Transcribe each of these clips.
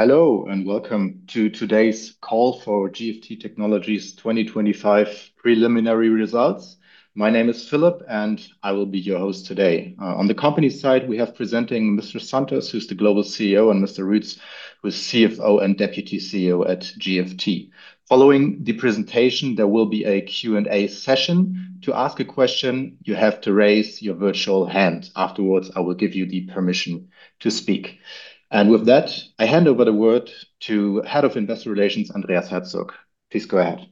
Hello, and welcome to today's call for GFT Technologies 2025 preliminary results. My name is Philip, and I will be your host today. On the company side, we have presenting Mr. Santos, who's the Global CEO, and Mr. Ruetz, who's CFO and Deputy CEO at GFT. Following the presentation, there will be a Q&A session. To ask a question, you have to raise your virtual hand. Afterwards, I will give you the permission to speak. With that, I hand over the word to Head of Investor Relations, Andreas Herzog. Please go ahead.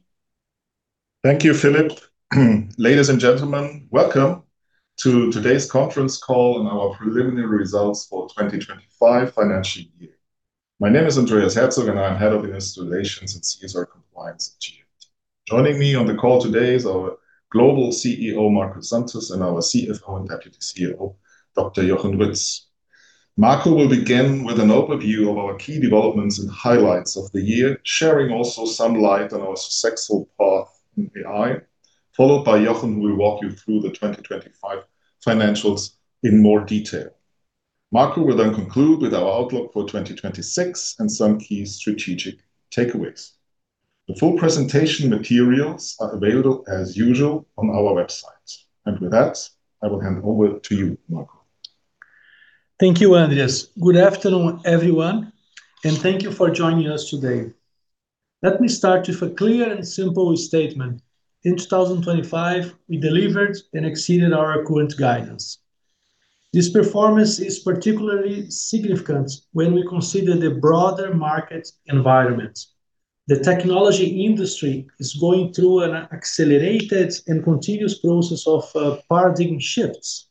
Thank you, Philip. Ladies and gentlemen, welcome to today's conference call and our preliminary results for 2025 financial year. My name is Andreas Herzog, and I'm Head of Investor Relations and CSR Compliance at GFT. Joining me on the call today is our Global CEO, Marco Santos, and our CFO and Deputy CEO, Dr. Jochen Ruetz. Marco will begin with an overview of our key developments and highlights of the year, sharing also some light on our successful path in AI, followed by Jochen, who will walk you through the 2025 financials in more detail. Marco will then conclude with our outlook for 2026 and some key strategic takeaways. The full presentation materials are available as usual on our website. With that, I will hand over to you, Marco. Thank you, Andreas. Good afternoon, everyone, and thank you for joining us today. Let me start with a clear and simple statement. In 2025, we delivered and exceeded our current guidance. This performance is particularly significant when we consider the broader market environment. The technology industry is going through an accelerated and continuous process of paradigm shifts.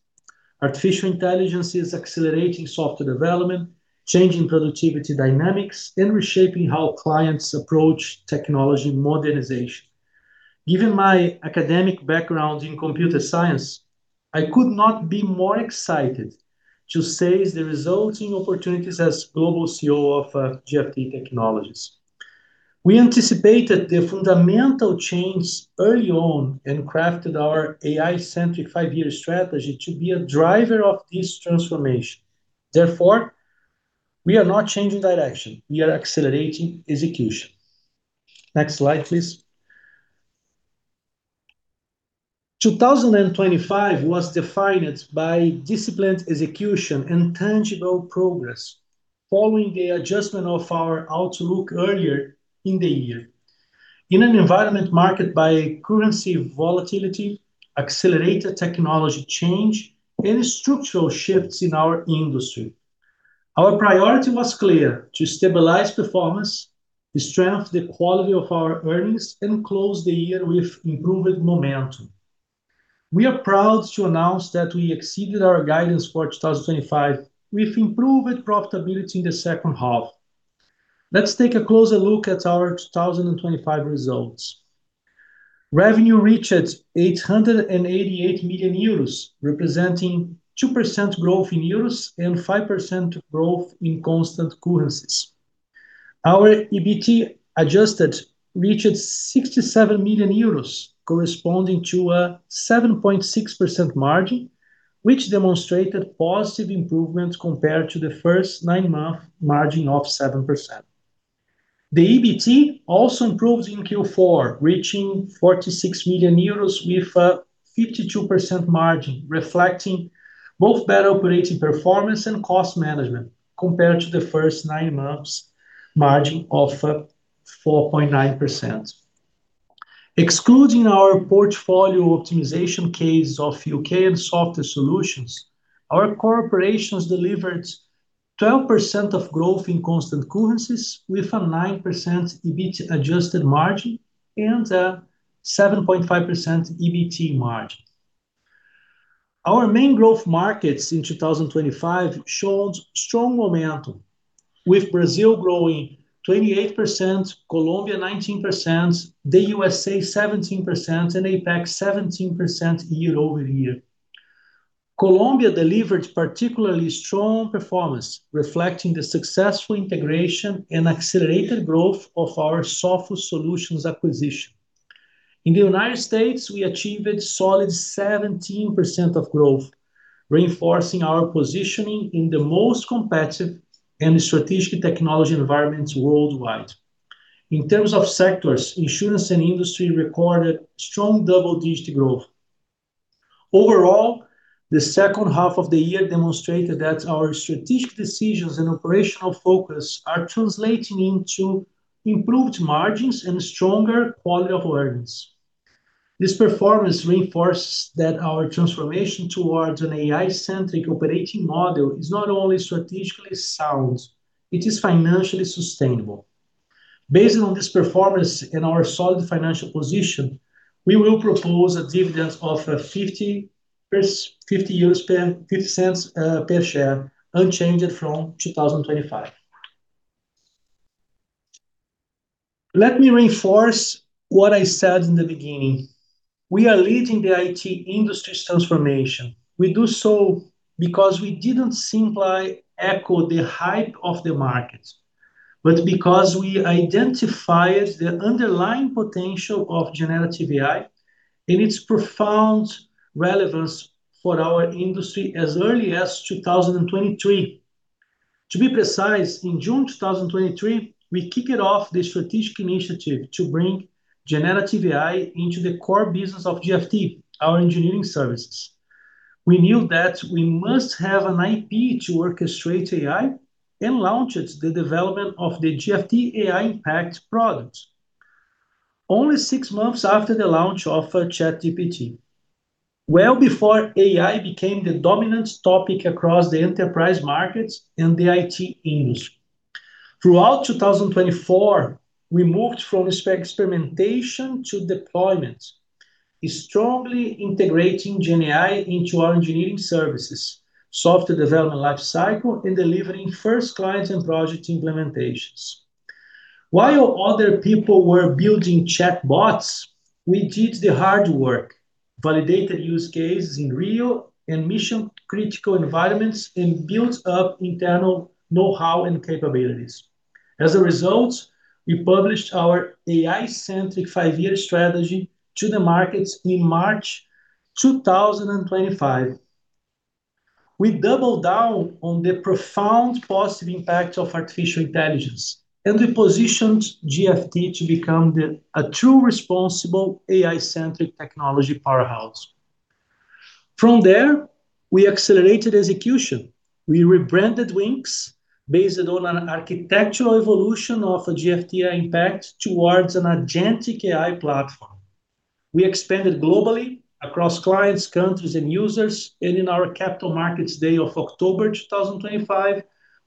Artificial intelligence is accelerating software development, changing productivity dynamics, and reshaping how clients approach technology modernization. Given my academic background in computer science, I could not be more excited to seize the resulting opportunities as Global CEO of GFT Technologies. We anticipated the fundamental change early on and crafted our AI-centric five-year strategy to be a driver of this transformation. Therefore, we are not changing direction. We are accelerating execution. Next slide, please. 2025 was defined by disciplined execution and tangible progress following the adjustment of our outlook earlier in the year. In an environment marked by currency volatility, accelerated technology change, and structural shifts in our industry, our priority was clear: to stabilize performance, to strengthen the quality of our earnings, and close the year with improved momentum. We are proud to announce that we exceeded our guidance for 2025 with improved profitability in the second half. Let's take a closer look at our 2025 results. Revenue reached 888 million euros, representing 2% growth in euros and 5% growth in constant currencies. Our EBT adjusted reached 67 million euros, corresponding to a 7.6% margin, which demonstrated positive improvement compared to the first nine-month margin of 7%. The EBT also improved in Q4, reaching 46 million euros with a 52% margin, reflecting both better operating performance and cost management compared to the first nine months margin of 4.9%. Excluding our portfolio optimization case of U.K. and Software Solutions, our corporations delivered 12% of growth in constant currencies with a 9% EBT adjusted margin and a 7.5% EBT margin. Our main growth markets in 2025 showed strong momentum, with Brazil growing 28%, Colombia 19%, the U.S.A. 17%, and APAC 17% year-over-year. Colombia delivered particularly strong performance, reflecting the successful integration and accelerated growth of our Software Solutions acquisition. In the United States, we achieved solid 17% of growth, reinforcing our positioning in the most competitive and strategic technology environments worldwide. In terms of sectors, insurance and industry recorded strong double-digit growth. Overall, the second half of the year demonstrated that our strategic decisions and operational focus are translating into improved margins and stronger quality of earnings. This performance reinforces that our transformation towards an AI-centric operating model is not only strategically sound, it is financially sustainable. Based on this performance and our solid financial position, we will propose a dividend of 0.50 per share, unchanged from 2025. Let me reinforce what I said in the beginning. We are leading the IT industry's transformation. We do so because we didn't simply echo the hype of the market, but because we identified the underlying potential of generative AI and its profound relevance for our industry as early as 2023. To be precise, in June 2023, we kicked off the strategic initiative to bring generative AI into the core business of GFT, our engineering services. We knew that we must have an IP to orchestrate AI and launched the development of the GFT AI Impact product. Only six months after the launch of ChatGPT. Well before AI became the dominant topic across the enterprise markets and the IT industry. Throughout 2024, we moved from spec- experimentation to deployment, strongly integrating GenAI into our engineering services, software development lifecycle, and delivering first clients and project implementations. While other people were building chatbots, we did the hard work, validated use cases in real and mission-critical environments, and built up internal know-how and capabilities. As a result, we published our AI-centric five-year strategy to the markets in March 2025. We doubled down on the profound positive impact of artificial intelligence, and we positioned GFT to become a true responsible AI-centric technology powerhouse. From there, we accelerated execution. We rebranded Wynxx based on an architectural evolution of GFT AI Impact towards an agentic AI platform. We expanded globally across clients, countries, and users. In our Capital Markets Day of October 2025,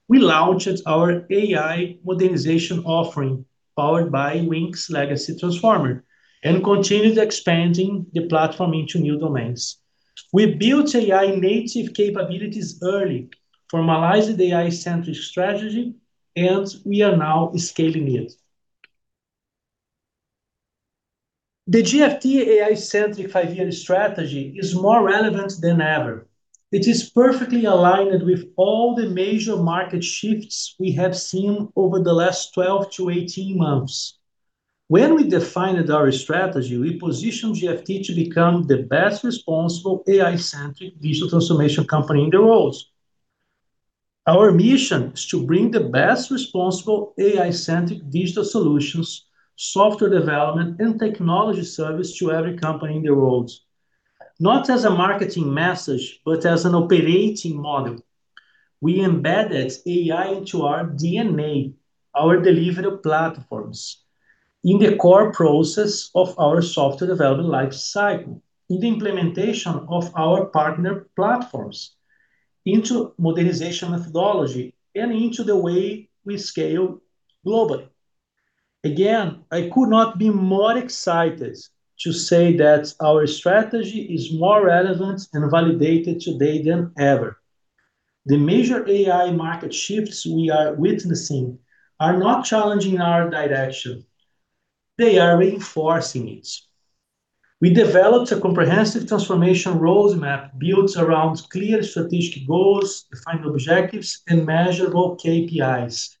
we launched our AI modernization offering, powered by Wynxx Legacy Transformer, and continued expanding the platform into new domains. We built AI native capabilities early, formalized the AI-centric strategy, and we are now scaling it. The GFT AI-centric five-year strategy is more relevant than ever. It is perfectly aligned with all the major market shifts we have seen over the last 12 to 18 months. When we defined our strategy, we positioned GFT to become the best responsible AI-centric digital transformation company in the world. Our mission is to bring the best responsible AI-centric digital solutions, software development, and technology service to every company in the world. Not as a marketing message, but as an operating model. We embedded AI into our DNA, our delivery platforms, in the core process of our software development lifecycle, in the implementation of our partner platforms, into modernization methodology, and into the way we scale globally. Again, I could not be more excited to say that our strategy is more relevant and validated today than ever. The major AI market shifts we are witnessing are not challenging our direction, they are reinforcing it. We developed a comprehensive transformation roadmap built around clear strategic goals, defined objectives, and measurable KPIs.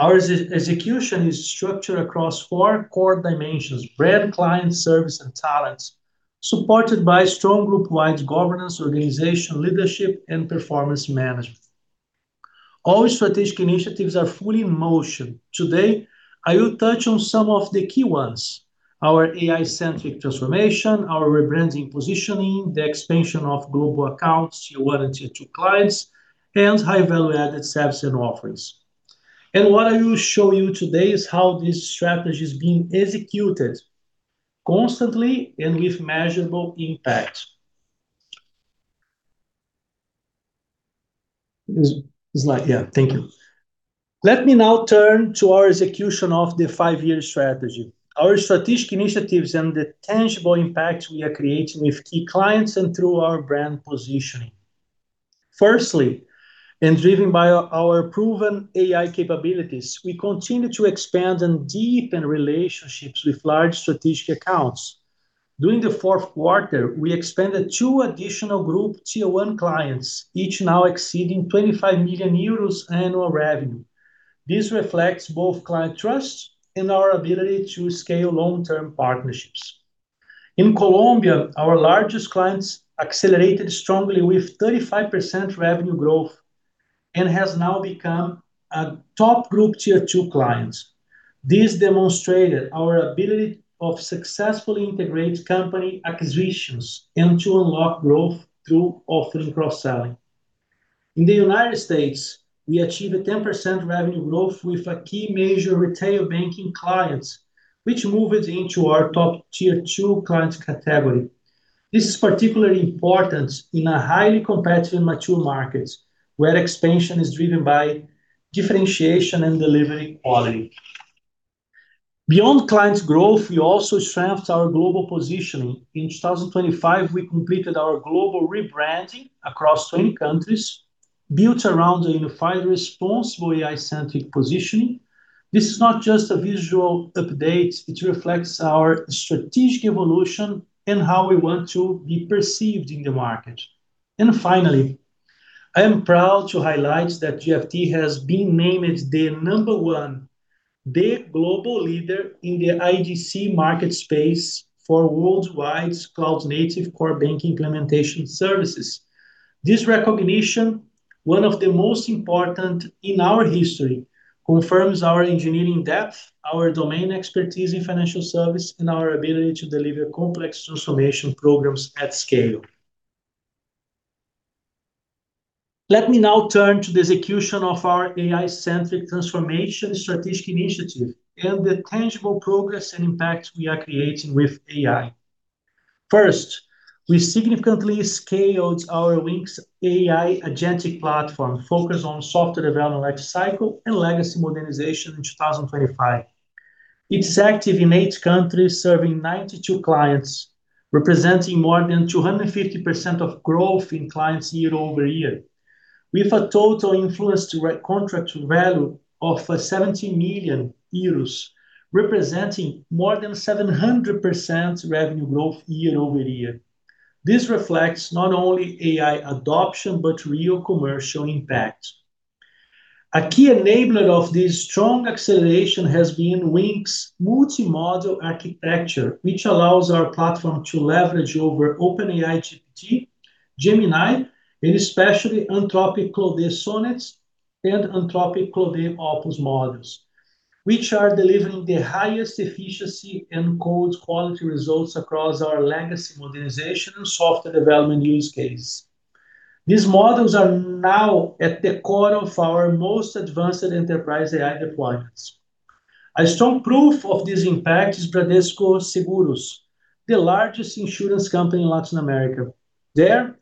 Our execution is structured across four core dimensions: brand, client, service, and talent, supported by strong group-wide governance, organization, leadership, and performance management. All strategic initiatives are fully in motion. Today, I will touch on some of the key ones: our AI-centric transformation, our rebranding positioning, the expansion of global accounts, Tier one and Tier two clients, and high value-added services and offerings. What I will show you today is how this strategy is being executed constantly and with measurable impact. This is like... Yeah, thank you. Let me now turn to our execution of the five-year strategy, our strategic initiatives, and the tangible impact we are creating with key clients and through our brand positioning. Firstly, driven by our proven AI capabilities, we continue to expand and deepen relationships with large strategic accounts. During the fourth quarter, we expanded two additional group Tier one clients, each now exceeding 25 million euros annual revenue. This reflects both client trust and our ability to scale long-term partnerships. In Colombia, our largest clients accelerated strongly with 35% revenue growth and has now become a top group Tier two client. This demonstrated our ability of successfully integrate company acquisitions and to unlock growth through offering cross-selling. In the United States, we achieved a 10% revenue growth with a key major retail banking client, which moved into our top Tier two client category. This is particularly important in a highly competitive mature market where expansion is driven by differentiation and delivery quality. Beyond clients growth, we also strengthened our global positioning. In 2025, we completed our global rebranding across 20 countries, built around a unified responsible AI-centric positioning. Finally, I am proud to highlight that GFT has been named the number one, the global leader in the IDC MarketScape for worldwide cloud-native core banking implementation services. This recognition, one of the most important in our history, confirms our engineering depth, our domain expertise in financial service, and our ability to deliver complex transformation programs at scale. Let me now turn to the execution of our AI-centric transformation strategic initiative and the tangible progress and impact we are creating with AI. First, we significantly scaled our Wynxx AI agentic platform focused on software development lifecycle and legacy modernization in 2025. It's active in eight countries, serving 92 clients, representing more than 250% of growth in clients year-over-year. With a total influenced contract value of 70 million euros, representing more than 700% revenue growth year-over-year. This reflects not only AI adoption, but real commercial impact. A key enabler of this strong acceleration has been Wynxx' multimodal architecture, which allows our platform to leverage over OpenAI GPT, Gemini, and especially Anthropic Claude Sonnet and Anthropic Claude Opus models, which are delivering the highest efficiency and code quality results across our legacy modernization and software development use case. These models are now at the core of our most advanced enterprise AI deployments. A strong proof of this impact is Bradesco Seguros, the largest insurance company in Latin America. There,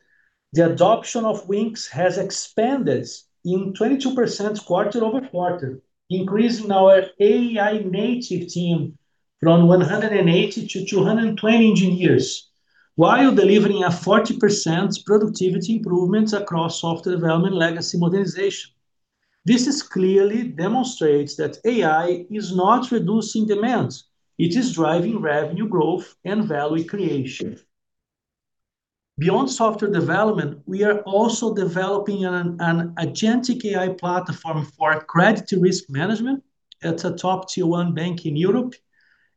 the adoption of Wynxx has expanded in 22% quarter-over-quarter, increasing our AI native team from 180 to 220 engineers while delivering a 40% productivity improvement across software development legacy modernization. This clearly demonstrates that AI is not reducing demand, it is driving revenue growth and value creation. Beyond software development, we are also developing an agentic AI platform for credit risk management at a top Tier one bank in Europe,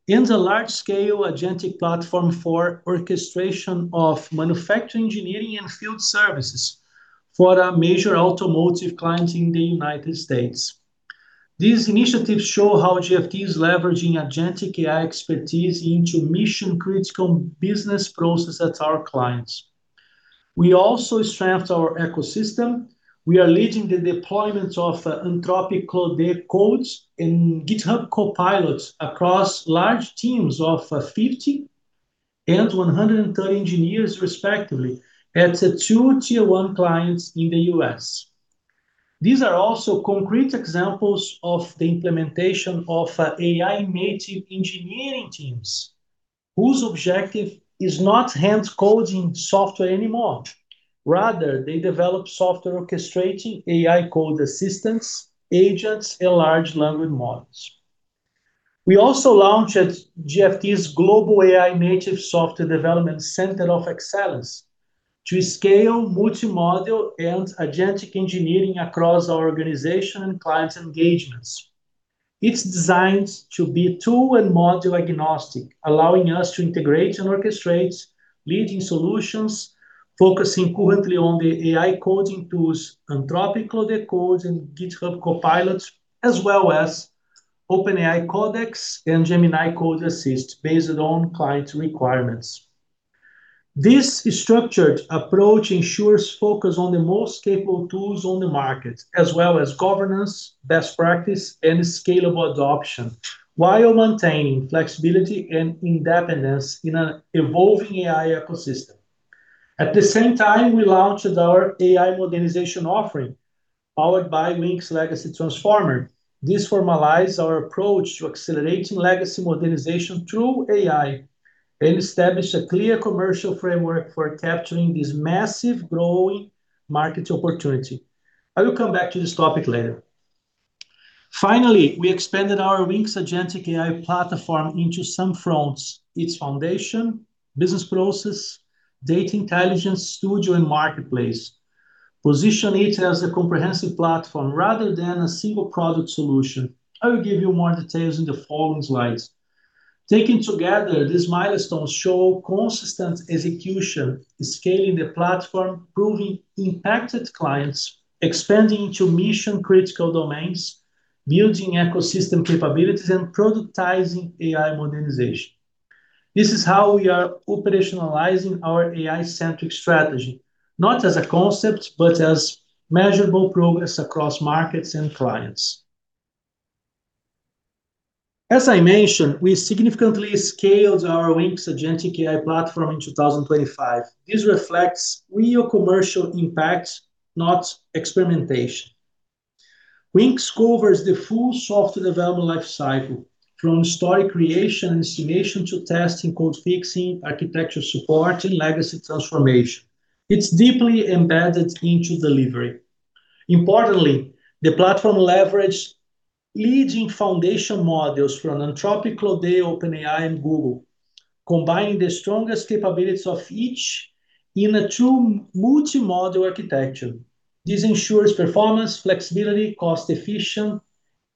and a large scale agentic platform for orchestration of manufacturing, engineering, and field services for a major automotive client in the United States. These initiatives show how GFT is leveraging agentic AI expertise into mission-critical business process at our clients. We also strengthened our ecosystem. We are leading the deployment of Anthropic Claude Code and GitHub Copilot across large teams of 50 and 130 engineers, respectively, at two Tier one clients in the U.S. These are also concrete examples of the implementation of AI native engineering teams whose objective is not hand-coding software anymore. Rather, they develop software orchestrating AI code assistance, agents, and large language models. We also launched GFT's global AI native software development center of excellence to scale multimodal and agentic engineering across our organization and clients engagements. It's designed to be tool and model agnostic, allowing us to integrate and orchestrate leading solutions, focusing currently on the AI coding tools Anthropic Claude Code and GitHub Copilot, as well as OpenAI Codex and Gemini Code Assist based on client requirements. This structured approach ensures focus on the most capable tools on the market, as well as governance, best practice, and scalable adoption while maintaining flexibility and independence in an evolving AI ecosystem. At the same time, we launched our AI modernization offering powered by Wynxx's Legacy Transformer. This formalize our approach to accelerating legacy modernization through AI and establish a clear commercial framework for capturing this massive growing market opportunity. I will come back to this topic later. Finally, we expanded our Wynxx's agentic AI platform into some fronts, its foundation, business process, data intelligence, studio, and marketplace. Position it as a comprehensive platform rather than a single product solution. I will give you more details in the following slides. Taken together, these milestones show consistent execution, scaling the platform, proving impacted clients, expanding into mission-critical domains, building ecosystem capabilities, and productizing AI modernization. This is how we are operationalizing our AI-centric strategy, not as a concept, but as measurable progress across markets and clients. As I mentioned, I significantly scaled our Wynxx agentic AI platform in 2025. This reflects real commercial impact, not experimentation. Wynxx covers the full software development lifecycle, from story creation and estimation to testing, code fixing, architecture support, and legacy transformation. It's deeply embedded into delivery. Importantly, the platform leverage leading foundation models from Anthropic Claude, OpenAI, and Google. Combining the strongest capabilities of each in a true multi-model architecture. This ensures performance, flexibility, cost-efficient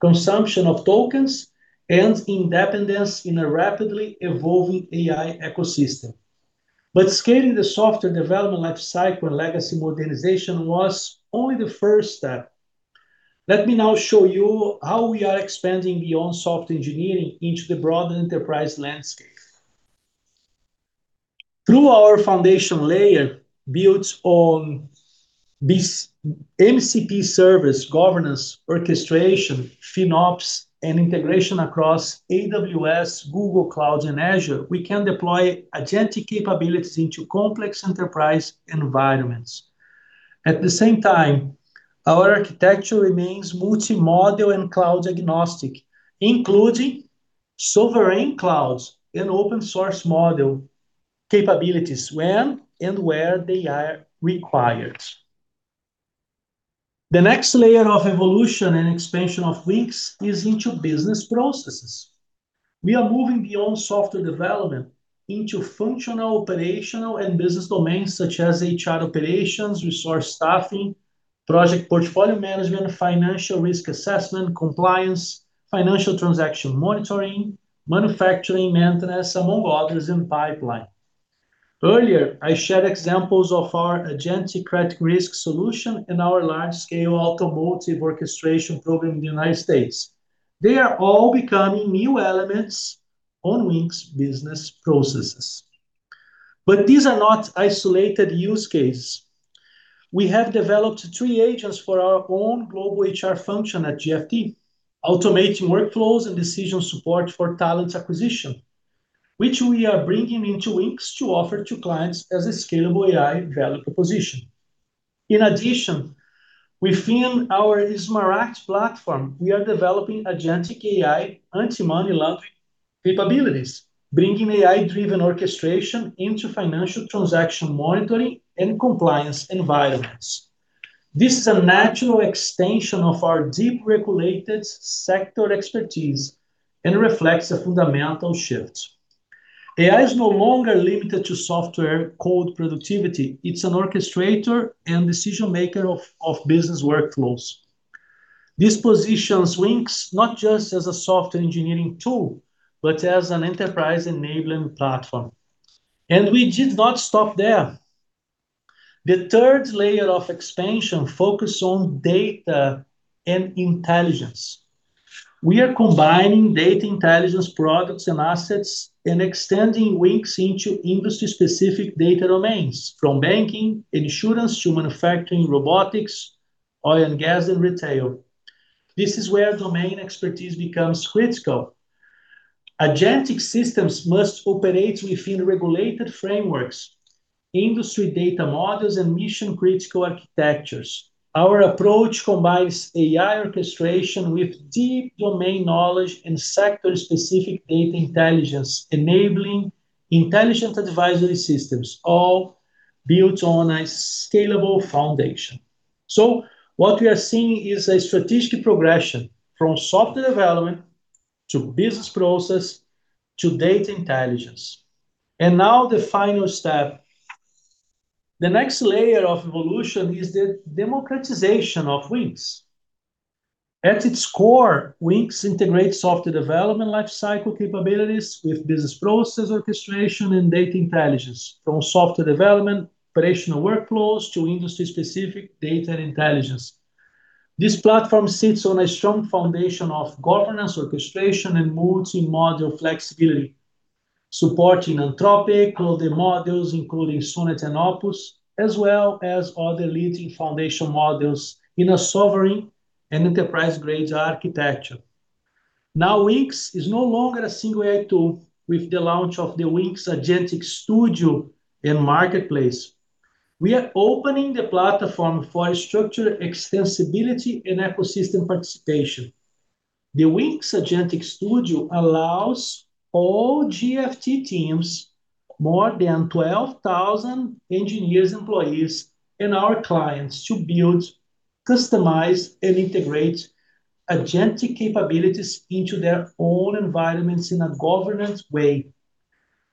consumption of tokens, and independence in a rapidly evolving AI ecosystem. Scaling the software development lifecycle in legacy modernization was only the first step. Let me now show you how we are expanding beyond software engineering into the broader enterprise landscape. Through our foundation layer built on this MCP service, governance, orchestration, FinOps, and integration across AWS, Google Cloud, and Azure, we can deploy agentic capabilities into complex enterprise environments. At the same time, our architecture remains multi-model and cloud agnostic, including sovereign clouds and open source model capabilities when and where they are required. The next layer of evolution and expansion of Wynxx is into business processes. We are moving beyond software development into functional, operational, and business domains such as HR operations, resource staffing, project portfolio management, financial risk assessment, compliance, financial transaction monitoring, manufacturing maintenance, among others in pipeline. Earlier, I shared examples of our agentic credit risk solution and our large-scale automotive orchestration program in the United States. They are all becoming new elements on Wynxx business processes. These are not isolated use cases. We have developed three agents for our own global HR function at GFT, automating workflows and decision support for talent acquisition, which we are bringing into Wynxx to offer to clients as a scalable AI value proposition. In addition, within our SmarAct platform, we are developing agentic AI anti-money laundering capabilities, bringing AI-driven orchestration into financial transaction monitoring and compliance environments. This is a natural extension of our deep regulated sector expertise and reflects a fundamental shift. AI is no longer limited to software code productivity. It's an orchestrator and decision maker of business workflows. This positions Wynxx not just as a software engineering tool, but as an enterprise-enabling platform. We did not stop there. The third layer of expansion focus on data and intelligence. We are combining data intelligence products and assets and extending Wynxx into industry-specific data domains, from banking, insurance to manufacturing, robotics, oil and gas, and retail. This is where domain expertise becomes critical. agentic systems must operate within regulated frameworks, industry data models, and mission-critical architectures. Our approach combines AI orchestration with deep domain knowledge and sector-specific data intelligence, enabling intelligent advisory systems, all built on a scalable foundation. What we are seeing is a strategic progression from software development to business process to data intelligence. Now the final step. The next layer of evolution is the democratization of Wynxx. At its core, Wynxx integrates software development lifecycle capabilities with business process orchestration and data intelligence, from software development, operational workflows to industry-specific data intelligence. This platform sits on a strong foundation of governance, orchestration, and multi-model flexibility, supporting Anthropic, all the models, including Sonnet and Opus, as well as other leading foundation models in a sovereign and enterprise-grade architecture. Now, Wynxx is no longer a single AI tool with the launch of the Wynxx Agentic Studio and Marketplace. We are opening the platform for structured extensibility and ecosystem participation. The Wynxx Agentic Studio allows all GFT teams, more than 12,000 engineers, employees, and our clients to build, customize, and integrate agentic capabilities into their own environments in a governance way.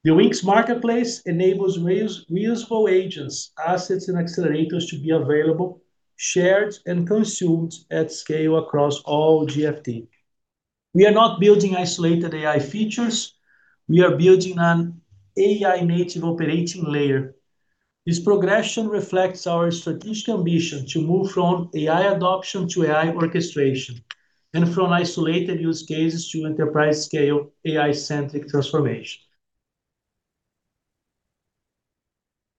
The Wynxx Marketplace enables reusable agents, assets, and accelerators to be available, shared, and consumed at scale across all GFT. We are not building isolated AI features. We are building an AI-native operating layer. This progression reflects our strategic ambition to move from AI adoption to AI orchestration, from isolated use cases to enterprise-scale AI-centric transformation.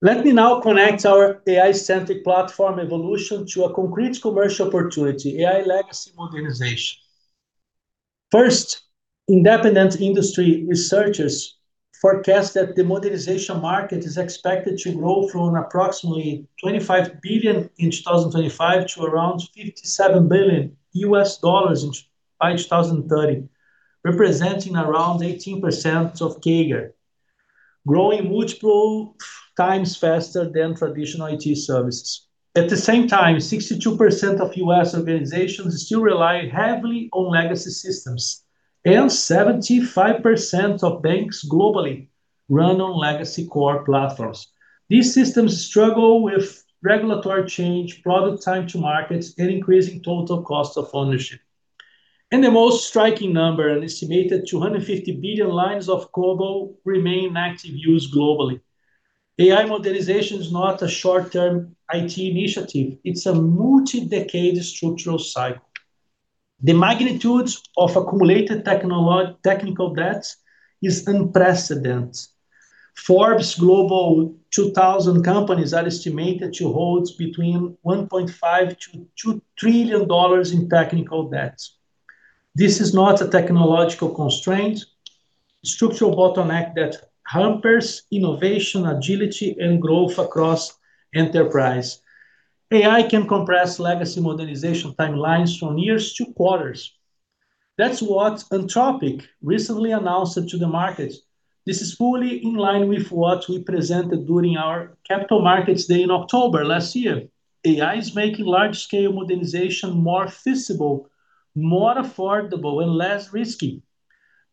Let me now connect our AI-centric platform evolution to a concrete commercial opportunity, AI legacy modernization. First, independent industry researchers forecast that the modernization market is expected to grow from approximately $25 billion in 2025 to around $57 billion by 2030, representing around 18% CAGR, growing multiple times faster than traditional IT services. At the same time, 62% of U.S. organizations still rely heavily on legacy systems, 75% of banks globally run on legacy core platforms. These systems struggle with regulatory change, product time to markets, and increasing total cost of ownership. The most striking number, an estimated 250 billion lines of code remain in active use globally. AI modernization is not a short-term IT initiative. It's a multi-decade structural cycle. The magnitudes of accumulated technical debts is unprecedented. Forbes Global 2000 companies are estimated to hold between $1.5 trillion-$2 trillion in technical debts. This is not a technological constraint. Structural bottleneck that hampers innovation, agility, and growth across enterprise. AI can compress legacy modernization timelines from years to quarters. That's what Anthropic recently announced to the market. This is fully in line with what we presented during our Capital Markets Day in October last year. AI is making large-scale modernization more feasible, more affordable, and less risky,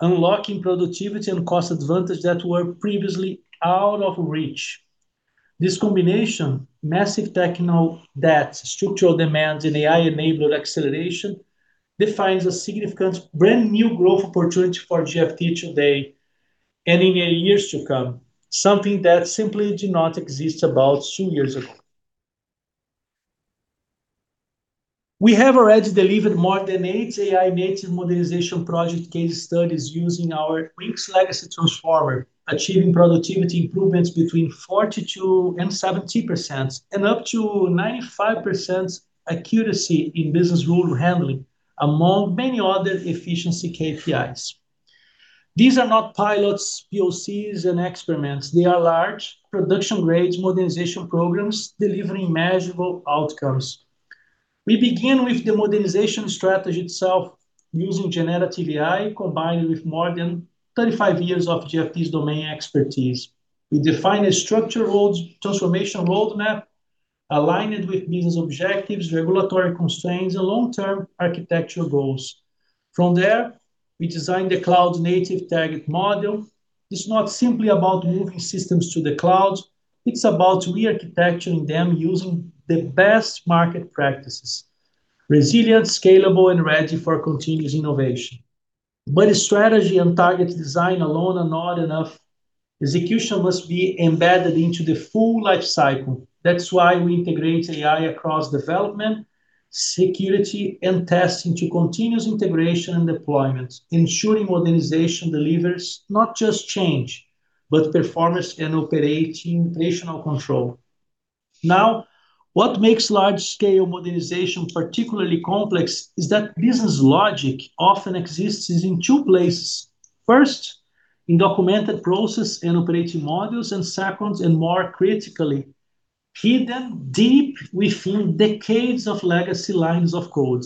unlocking productivity and cost advantage that were previously out of reach. This combination, massive technical debt, structural demands, and AI-enabled acceleration, defines a significant brand-new growth opportunity for GFT today and in years to come, something that simply did not exist about two years ago. We have already delivered more than eight AI-native modernization project case studies using our Wynxx Legacy Transformer, achieving productivity improvements between 42% and 70%, and up to 95% accuracy in business rule handling, among many other efficiency KPIs. These are not pilots, POCs, and experiments. They are large production-grade modernization programs delivering measurable outcomes. We begin with the modernization strategy itself using generative AI combined with more than 35 years of GFT's domain expertise. We define a structural transformation roadmap aligned with business objectives, regulatory constraints, and long-term architectural goals. From there, we design the cloud-native target model. It's not simply about moving systems to the cloud. It's about re-architecting them using the best market practices, resilient, scalable, and ready for continuous innovation. Strategy and target design alone are not enough. Execution must be embedded into the full lifecycle. That's why we integrate AI across development, security, and testing to continuous integration and deployment, ensuring modernization delivers not just change, but performance and operating rational control. What makes large-scale modernization particularly complex is that business logic often exists in two places. First, in documented process and operating modules. Second, and more critically, hidden deep within decades of legacy lines of code.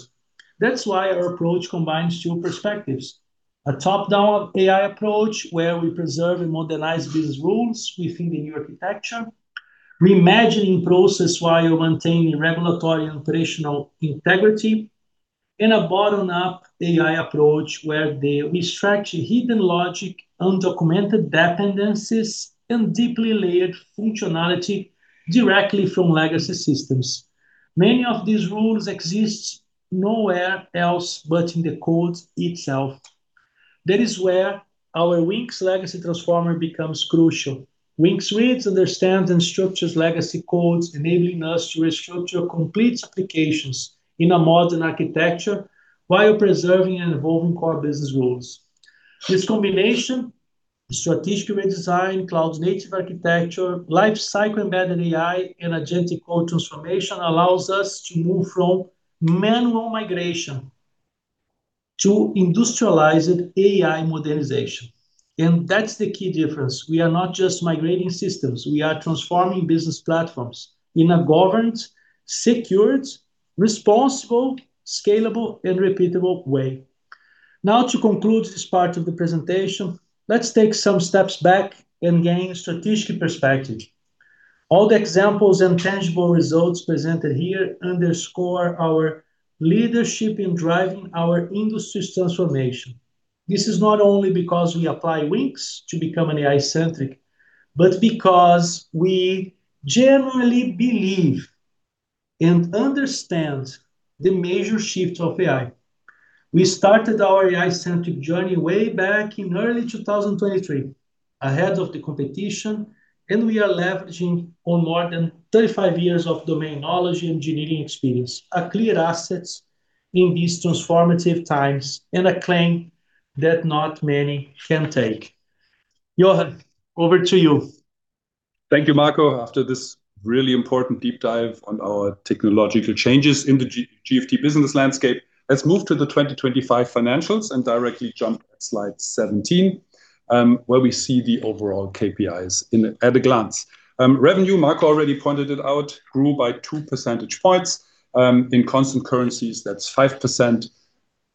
That's why our approach combines two perspectives: a top-down AI approach, where we preserve and modernize business rules within the new architecture, reimagining process while maintaining regulatory and operational integrity, and a bottom-up AI approach, where they extract hidden logic, undocumented dependencies, and deeply layered functionality directly from legacy systems. Many of these rules exist nowhere else but in the code itself. That is where our Wynxx legacy transformer becomes crucial. Wynxx reads, understands, and structures legacy codes, enabling us to restructure complete applications in a modern architecture while preserving and evolving core business rules. This combination, strategic redesign, cloud-native architecture, lifecycle-embedded AI, and agentic code transformation, allows us to move from manual migration to industrialized AI modernization. That's the key difference. We are not just migrating systems. We are transforming business platforms in a governed, secured, responsible, scalable, and repeatable way. To conclude this part of the presentation, let's take some steps back and gain a strategic perspective. All the examples and tangible results presented here underscore our leadership in driving our industry's transformation. This is not only because we apply Wynxx to become an AI-centric, but because we generally believe and understand the major shifts of AI. We started our AI-centric journey way back in early 2023, ahead of the competition, and we are leveraging on more than 35 years of domain knowledge engineering experience, a clear asset in these transformative times and a claim that not many can take. Jochen, over to you. Thank you, Marco. After this really important deep dive on our technological changes in the GFT business landscape, let's move to the 2025 financials and directly jump to slide 17, where we see the overall KPIs at a glance. Revenue, Marco already pointed it out, grew by 2 percentage points. In constant currencies, that's 5%.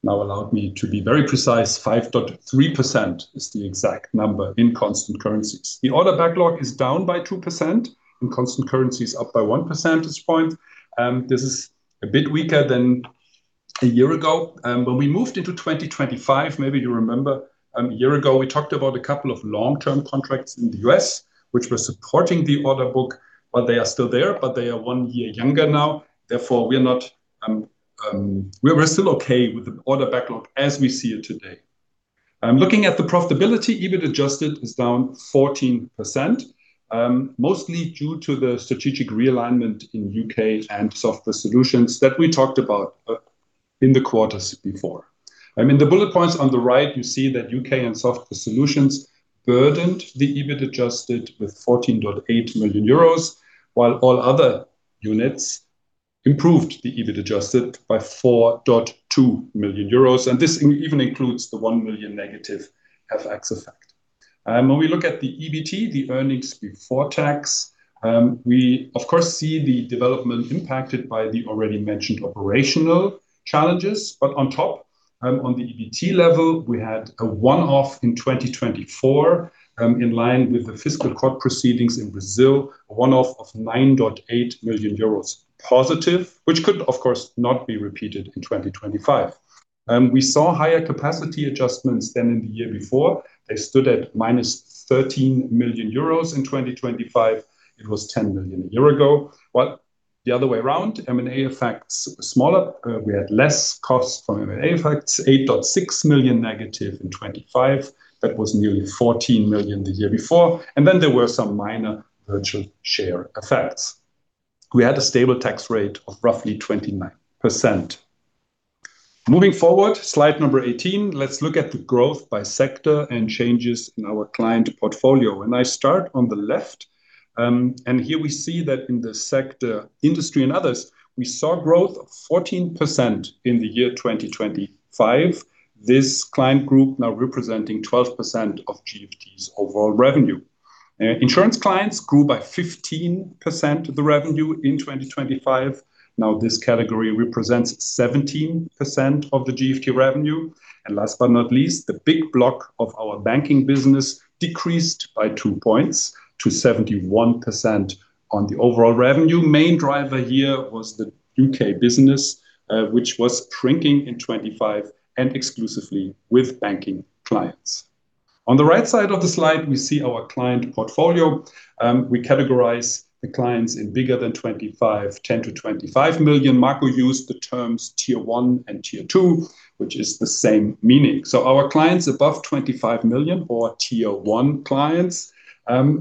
Now allow me to be very precise, 5.3% is the exact number in constant currencies. The order backlog is down by 2%. In constant currencies, up by 1 percentage point. This is a bit weaker than a year ago. When we moved into 2025, maybe you remember, a year ago, we talked about a couple of long-term contracts in the U.S. which were supporting the order book. They are still there, but they are one year younger now. Therefore, we're still okay with the order backlog as we see it today. Looking at the profitability, EBIT adjusted is down 14%, mostly due to the strategic real-ignment in U.K. and Software Solutions that we talked about in the quarters before. I mean, the bullet points on the right, you see that U.K. and Software Solutions burdened the EBIT adjusted with 14.8 million euros, while all other units improved the EBIT adjusted by 4.2 million euros. This even includes the -1 million FX effect. When we look at the EBT, the Earnings Before Taxes, we, of course, see the development impacted by the already mentioned operational challenges. On top, on the EBT level, we had a one-off in 2024 in line with the fiscal court proceedings in Brazil. A one-off of 9.8 million euros positive, which could of course not be repeated in 2025. We saw higher capacity adjustments than in the year before. They stood at -13 million euros in 2025. It was 10 million a year ago. The other way around, M&A effects were smaller. We had less cost from M&A effects. -8.6 million in 2025. That was nearly 14 million the year before. There were some minor virtual share effects. We had a stable tax rate of roughly 29%. Moving forward, slide number 18, let's look at the growth by sector and changes in our client portfolio. When I start on the left, here we see that in the sector industry and others, we saw growth of 14% in the year 2025. This client group now representing 12% of GFT's overall revenue. Insurance clients grew by 15% of the revenue in 2025. Now, this category represents 17% of the GFT revenue. Last but not least, the big block of our banking business decreased by 2 points to 71% on the overall revenue. Main driver here was the U.K. business, which was shrinking in 2025 and exclusively with banking clients. On the right side of the slide, we see our client portfolio. We categorize the clients in bigger than 25 million, 10 million-25 million. Marco used the terms Tier one and Tier two, which is the same meaning. Our clients above 25 million or Tier one clients,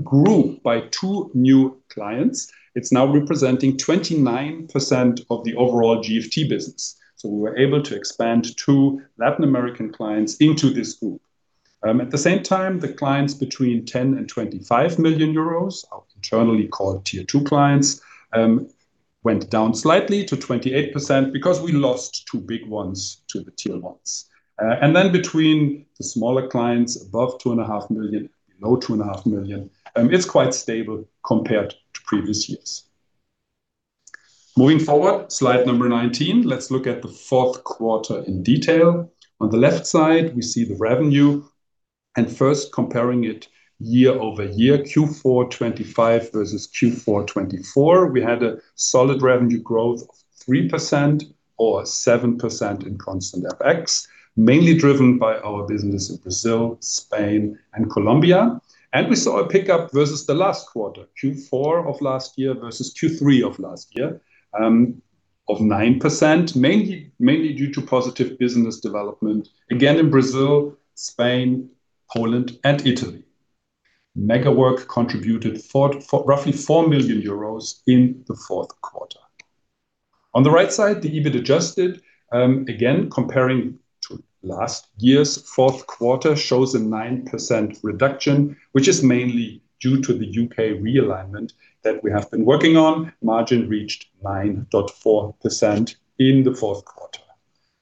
grew by two new clients. It's now representing 29% of the overall GFT business. We were able to expand two Latin American clients into this group. At the same time, the clients between 10 million-25 million euros, are internally called Tier two clients, went down slightly to 28% because we lost two big ones to the Tier ones. Between the smaller clients above 2.5 million, below 2.5 million, it's quite stable compared to previous years. Moving forward, slide number 19. Let's look at the fourth quarter in detail. On the left side, we see the revenue. First comparing it year-over-year, Q4 2025 versus Q4 2024, we had a solid revenue growth of 3% or 7% in constant FX. Mainly driven by our business in Brazil, Spain and Colombia. We saw a pickup versus the last quarter, Q4 of last year versus Q3 of last year, of 9%, mainly due to positive business development, again in Brazil, Spain, Poland and Italy. Megawork contributed roughly 4 million euros in the fourth quarter. On the right side, the EBIT adjusted, again comparing to last year's fourth quarter shows a 9% reduction, which is mainly due to the U.K. realignment that we have been working on. Margin reached 9.4% in the fourth quarter.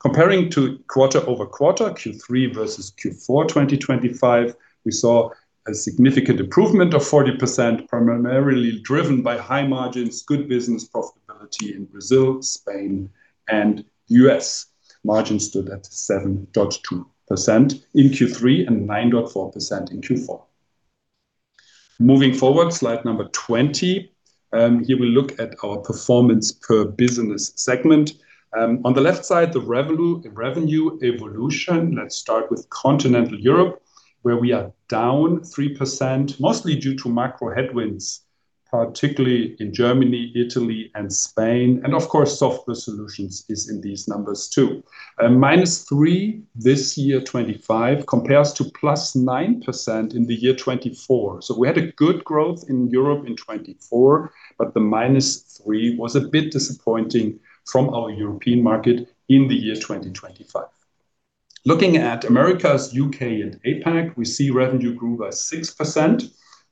Comparing to quarter-over-quarter, Q3 versus Q4 2025, we saw a significant improvement of 40%, primarily driven by high margins, good business profitability in Brazil, Spain and the U.S. Margins stood at 7.2% in Q3 and 9.4% in Q4. Moving forward, slide number 20. Here we look at our performance per business segment. On the left side, the revenue evolution. Let's start with continental Europe, where we are down 3%, mostly due to macro headwinds, particularly in Germany, Italy and Spain. Of course, Software Solutions is in these numbers too. -3% this year 2025 compares to +9% in the year 2024. We had a good growth in Europe in 2024, but the -3% was a bit disappointing from our European market in the year 2025. Looking at Americas, U.K. and APAC, we see revenue grew by 6%,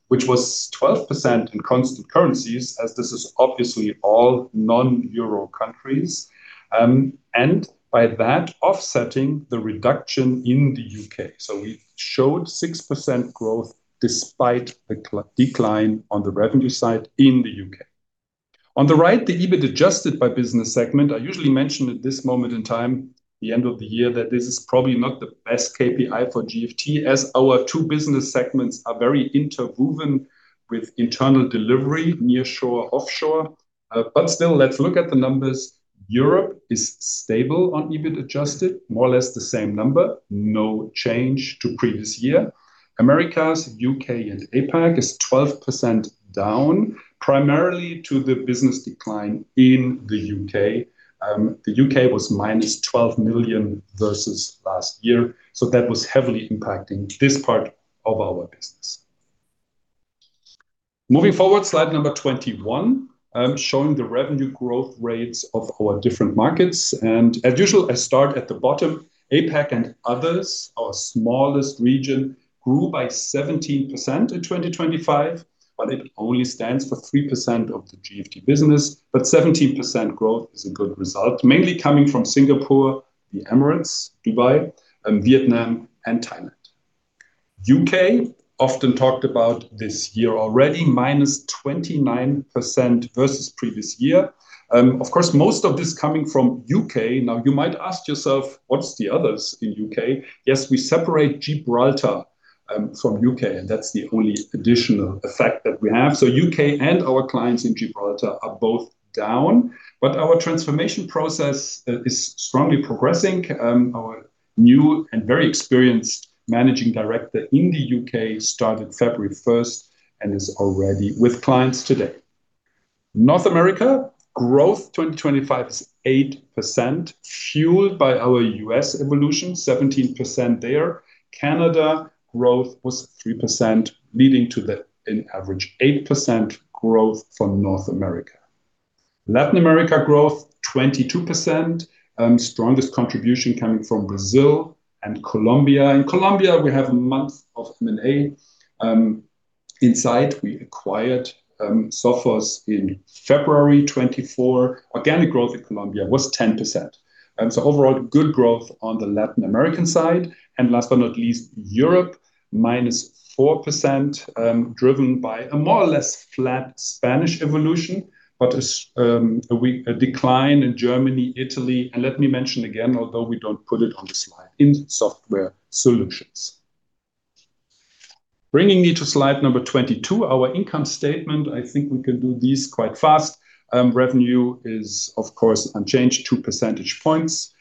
which was 12% in constant currencies as this is obviously all non-Euro countries. By that offsetting the reduction in the U.K. We showed 6% growth despite the decline on the revenue side in the U.K.. On the right, the EBIT adjusted by business segment. I usually mention at this moment in time, the end of the year, that this is probably not the best KPI for GFT as our two business segments are very interwoven with internal delivery, nearshore, offshore. Still, let's look at the numbers. Europe is stable on EBIT adjusted, more or less the same number, no change to previous year. Americas, .U.K. and APAC is 12% down, primarily to the business decline in the U.K.. The U.K. was -12 million versus last year. That was heavily impacting this part of our business. Moving forward, slide number 21, showing the revenue growth rates of our different markets. As usual, I start at the bottom. APAC and others, our smallest region, grew by 17% in 2025, but it only stands for 3% of the GFT business. 17% growth is a good result, mainly coming from Singapore, the Emirates, Dubai, Vietnam and Thailand. U.K., often talked about this year already, -29% versus previous year. Of course, most of this coming from U.K.. You might ask yourself, "What's the others in U.K.?" Yes, we separate Gibraltar from U.K., and that's the only additional effect that we have. U.K. and our clients in Gibraltar are both down. Our transformation process is strongly progressing. Our new and very experienced managing director in the U.K. started February 1st and is already with clients today. North America growth 2025 is 8%, fueled by our U.S. evolution, 17% there. Canada growth was 3%, leading to an average 8% growth for North America. Latin America growth, 22%, strongest contribution coming from Brazil and Colombia. In Colombia, we have a month of M&A insight. We acquired Sophos in February 2024. Organic growth in Colombia was 10%. Overall, good growth on the Latin American side. Last but not least, Europe, minus 4%, driven by a more or less flat Spanish evolution, but a decline in Germany, Italy, and let me mention again, although we don't put it on the slide, in Software Solutions. Bringing me to slide number 22, our income statement. I think we can do this quite fast. Revenue is, of course, unchanged, 2 percentage points.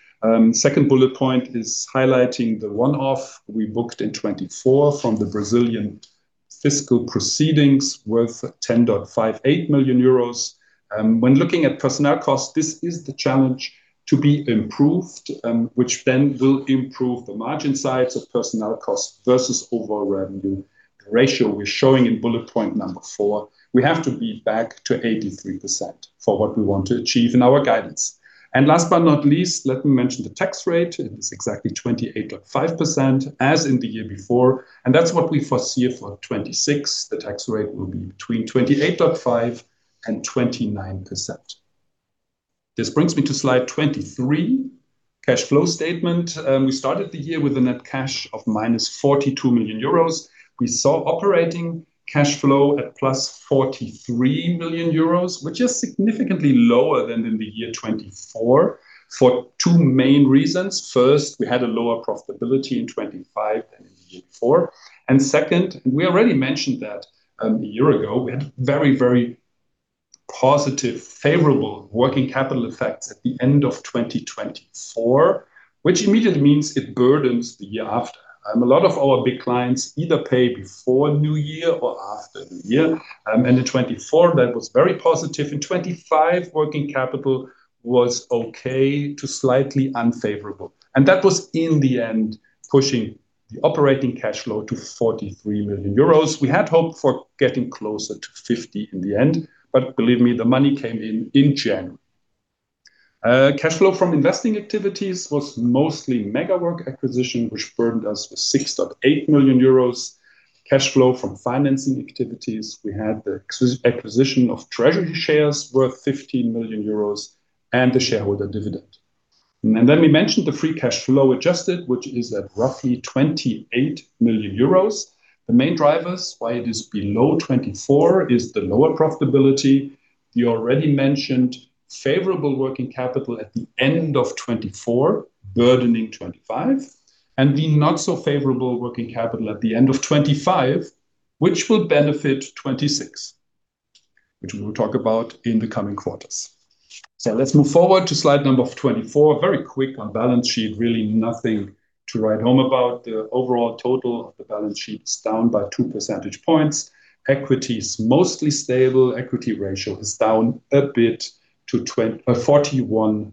Second bullet point is highlighting the one-off we booked in 2024 from the Brazilian fiscal proceedings worth 10.58 million euros. When looking at personnel costs, this is the challenge to be improved, which will improve the margin sides of personnel costs versus overall revenue. The ratio we're showing in bullet point number four, we have to be back to 83% for what we want to achieve in our guidance. Last but not least, let me mention the tax rate. It is exactly 28.5%, as in the year before. That's what we foresee it for 2026. The tax rate will be between 28.5%-29%. This brings me to slide 23, cash flow statement. We started the year with a net cash of -42 million euros. We saw operating cash flow at +43 million euros, which is significantly lower than in the year 2024 for two main reasons. First, we had a lower profitability in 2025 than in 2024. Second, we already mentioned that a year ago, we had very, very positive, favorable working capital effects at the end of 2024, which immediately means it burdens the year after. A lot of our big clients either pay before new year or after new year. In 2024, that was very positive. In 2025, working capital was okay to slightly unfavorable. That was, in the end, pushing the operating cash flow to 43 million euros. We had hoped for getting closer to 50 in the end, believe me, the money came in in January. Cash flow from investing activities was mostly Megawork acquisition, which burned us for 6.8 million euros. Cash flow from financing activities, we had the acquisition of treasury shares worth 15 million euros and the shareholder dividend. We mentioned the free cash flow adjusted, which is at roughly 28 million euros. The main drivers why it is below 2024 is the lower profitability. We already mentioned favorable working capital at the end of 2024 burdening 2025, and the not so favorable working capital at the end of 2025, which will benefit 2026, which we will talk about in the coming quarters. Let's move forward to slide number 24. Very quick on balance sheet, really nothing to write home about. The overall total of the balance sheet is down by 2 percentage points. Equity is mostly stable. Equity ratio is down a bit to 41.1%.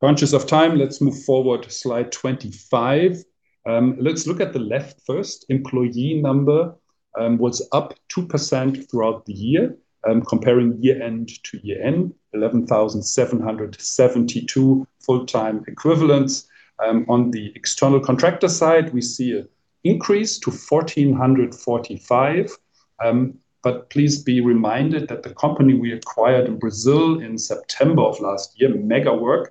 Conscious of time, let's move forward to slide 25. Let's look at the left first. Employee number was up 2% throughout the year, comparing year-end to year-end, 11,772 full-time equivalents. On the external contractor side, we see a increase to 1,445. Please be reminded that the company we acquired in Brazil in September of last year, Megawork,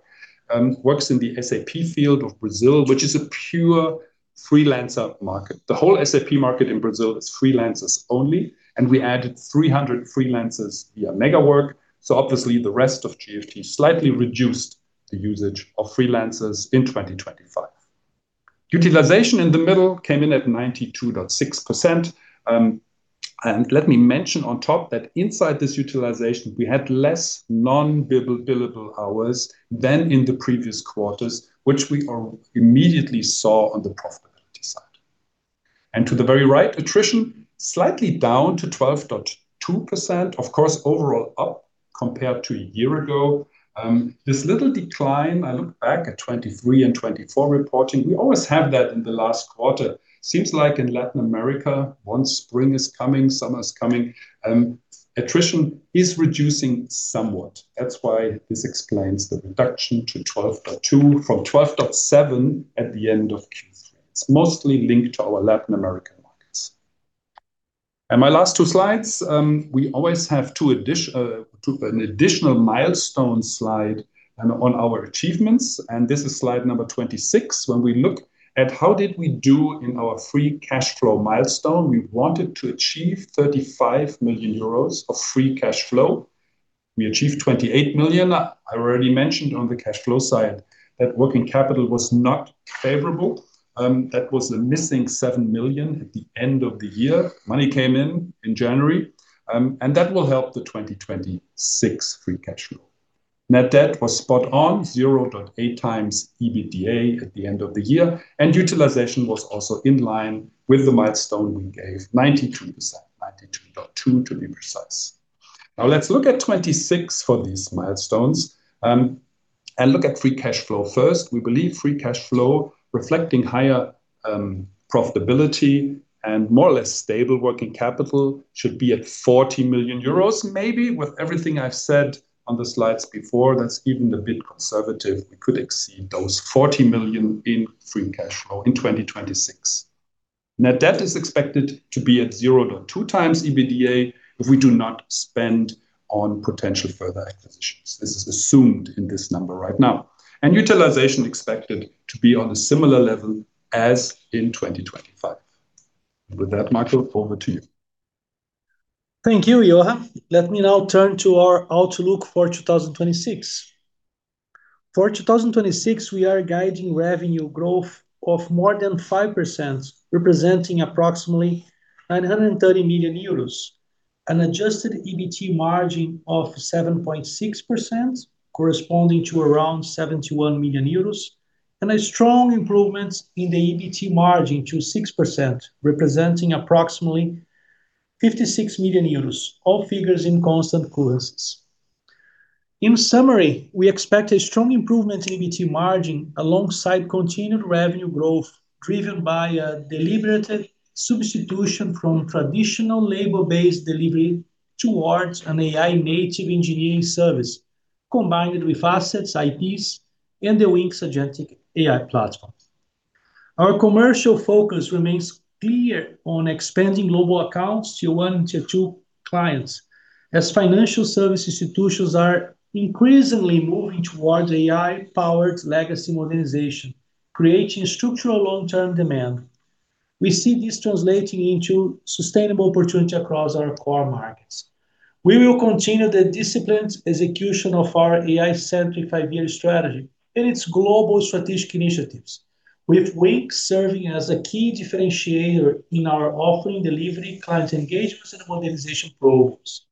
works in the SAP field of Brazil, which is a pure freelancer market. The whole SAP market in Brazil is freelancers only. We added 300 freelancers via Megawork. Obviously, the rest of GFT slightly reduced the usage of freelancers in 2025. Utilization in the middle came in at 92.6%. Let me mention on top that inside this utilization, we had less billable hours than in the previous quarters, which we immediately saw on the profitability side. To the very right, attrition slightly down to 12.2%. Of course, overall up compared to a year ago. This little decline, I look back at 2023 and 2024 reporting, we always have that in the last quarter. Seems like in Latin America, once spring is coming, summer is coming, attrition is reducing somewhat. That's why this explains the reduction to 12.2 from 12.7 at the end of Q3. It's mostly linked to our Latin American markets. My last two slides, we always have two an additional milestone slide on our achievements, and this is slide number 26. When we look at how did we do in our free cash flow milestone, we wanted to achieve 35 million euros of free cash flow. We achieved 28 million. I already mentioned on the cash flow side that working capital was not favorable. That was the missing 7 million at the end of the year. Money came in in January, that will help the 2026 free cash flow. Net debt was spot on, 0.8x EBITDA at the end of the year, utilization was also in line with the milestone we gave, 92%. 92.2% to be precise. Now let's look at 2026 for these milestones, look at free cash flow first. We believe free cash flow reflecting higher profitability and more or less stable working capital should be at 40 million euros. Maybe with everything I've said on the slides before, that's even a bit conservative. We could exceed those 40 million in free cash flow in 2026. Net debt is expected to be at 0.2x EBITDA if we do not spend on potential further acquisitions. This is assumed in this number right now. Utilization expected to be on a similar level as in 2025. With that, Marco, over to you. Thank you, Jochen. Let me now turn to our outlook for 2026. For 2026, we are guiding revenue growth of more than 5%, representing approximately 930 million euros. An Adjusted EBT margin of 7.6% corresponding to around 71 million euros, and a strong improvement in the EBT margin to 6%, representing approximately 56 million euros, all figures in constant currencies. In summary, we expect a strong improvement in EBT margin alongside continued revenue growth driven by a deliberative substitution from traditional labor-based delivery towards an AI-native engineering service combined with assets, IPs, and the Wynxx agentic AI platform. Our commercial focus remains clear on expanding global accounts to Tier one and Tier two clients as financial service institutions are increasingly moving towards AI-powered legacy modernization, creating structural long-term demand. We see this translating into sustainable opportunity across our core markets. We will continue the disciplined execution of our AI-centric five-year strategy and its global strategic initiatives with Wynxx serving as a key differentiator in our offering delivery, client engagements and modernization programs.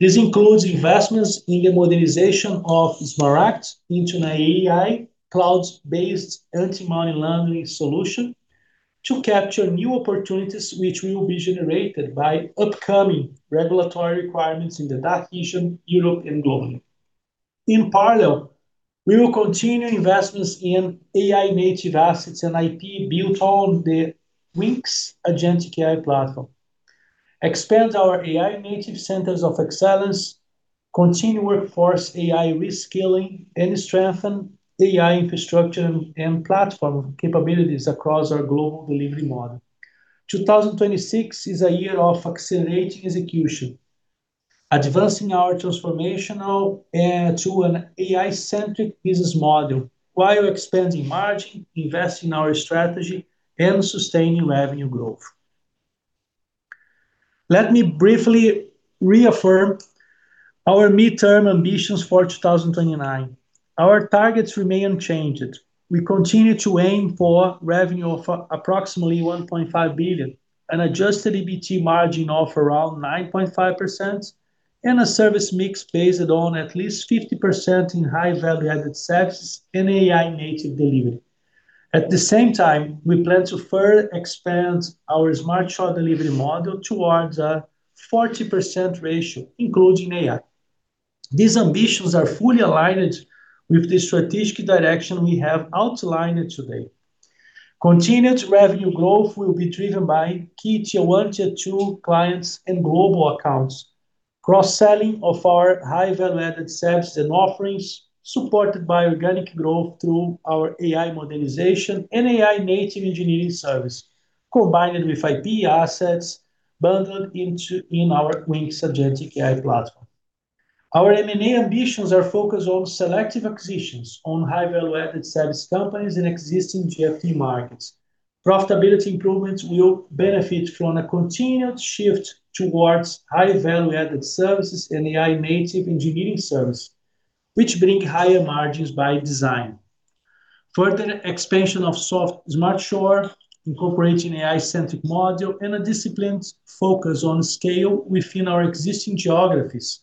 This includes investments in the modernization of SmarAct into an AI cloud-based anti-money laundering solution to capture new opportunities which will be generated by upcoming regulatory requirements in the DACH region, Europe and globally. In parallel, we will continue investments in AI native assets and IP built on the Wynxx' agentic AI platform, expand our AI native centers of excellence, continue workforce AI reskilling, and strengthen AI infrastructure and platform capabilities across our global delivery model. 2026 is a year of accelerating execution, advancing our transformational to an AI-centric business model while expanding margin, investing in our strategy and sustaining revenue growth. Let me briefly reaffirm our midterm ambitions for 2029. Our targets remain unchanged. We continue to aim for revenue of approximately 1.5 billion, an adjusted EBT margin of around 9.5%, and a service mix based on at least 50% in high value-added services and AI-native delivery. We plan to further expand our SmartShore delivery model towards a 40% ratio, including AI. These ambitions are fully aligned with the strategic direction we have outlined today. Continued revenue growth will be driven by key Tier one, Tier two clients and global accounts. Cross-selling of our high value-added services and offerings supported by organic growth through our AI modernization and AI-native engineering service, combined with IP assets bundled in our Wynxx agentic AI platform. Our M&A ambitions are focused on selective acquisitions on high value-added service companies in existing GFT markets. Profitability improvements will benefit from a continued shift towards high value-added services and AI native engineering service, which bring higher margins by design. Further expansion of SmartShore, incorporating AI-centric model and a disciplined focus on scale within our existing geographies,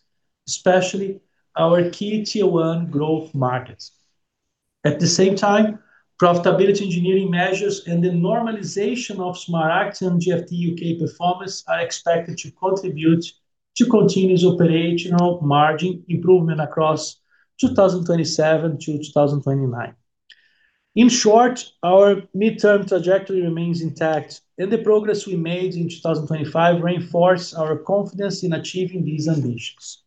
especially our key Tier one growth markets. At the same time, profitability engineering measures and the normalization of SmarAct and GFT U.K. performance are expected to contribute to continuous operational margin improvement across 2027-2029. In short, our midterm trajectory remains intact, the progress we made in 2025 reinforce our confidence in achieving these ambitions.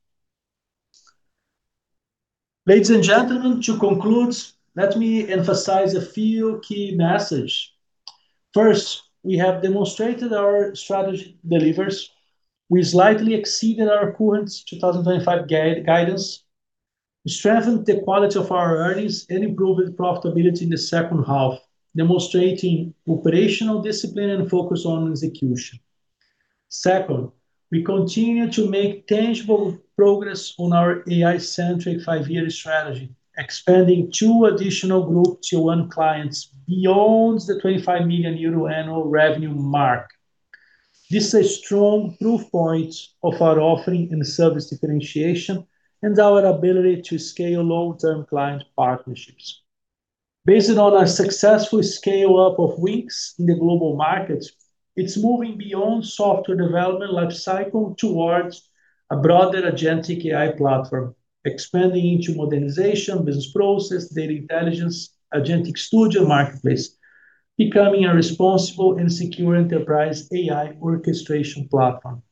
Ladies and gentlemen, to conclude, let me emphasize a few key message. First, we have demonstrated our strategy delivers. We slightly exceeded our current 2025 guidance. We strengthened the quality of our earnings and improved profitability in the second half, demonstrating operational discipline and focus on execution. Second, we continue to make tangible progress on our AI-centric five-year strategy, expanding two additional Tier one clients beyond the 25 million euro annual revenue mark. This is a strong proof point of our offering and service differentiation and our ability to scale long-term client partnerships. Based on our successful scale up of Wynxx in the global market, it's moving beyond software development lifecycle towards a broader agentic AI platform, expanding into modernization, business process, data intelligence, agentic studio marketplace, becoming a responsible and secure enterprise AI orchestration platform.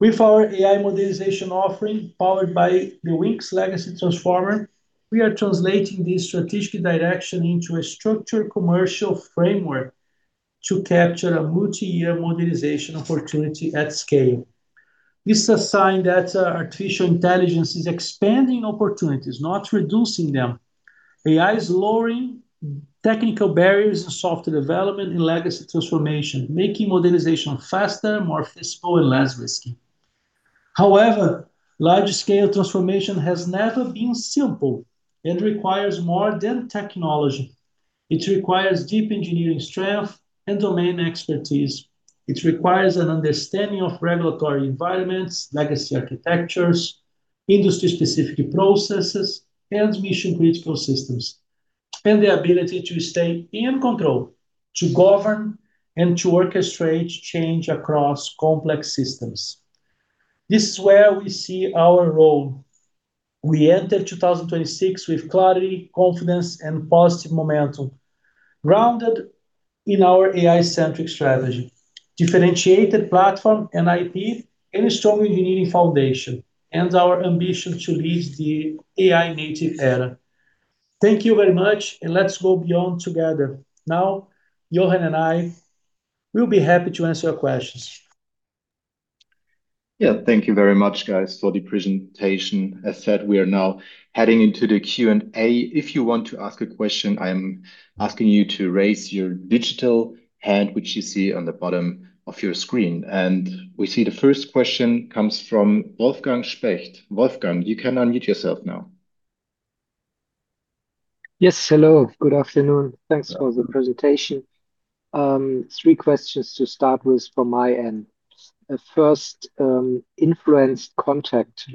With our AI modernization offering powered by the Wynxx legacy transformer, we are translating this strategic direction into a structured commercial framework to capture a multi-year modernization opportunity at scale. This is a sign that artificial intelligence is expanding opportunities, not reducing them. AI is lowering technical barriers to software development and legacy transformation, making modernization faster, more feasible and less risky. However, large-scale transformation has never been simple and requires more than technology. It requires deep engineering strength and domain expertise. It requires an understanding of regulatory environments, legacy architectures, industry-specific processes and mission-critical systems, and the ability to stay in control, to govern and to orchestrate change across complex systems. This is where we see our role. We enter 2026 with clarity, confidence and positive momentum, grounded in our AI-centric strategy, differentiated platform and IP, and a strong engineering foundation, and our ambition to lead the AI native era. Thank you very much, and let's go beyond together. Now, Jochen and I will be happy to answer your questions. Yeah. Thank you very much, guys, for the presentation. As said, we are now heading into the Q&A. If you want to ask a question, I'm asking you to raise your digital hand, which you see on the bottom of your screen. We see the first question comes from Wolfgang Specht. Wolfgang, you can unmute yourself now. Yes. Hello, good afternoon. Thanks for the presentation. Three questions to start with from my end. First, influenced contract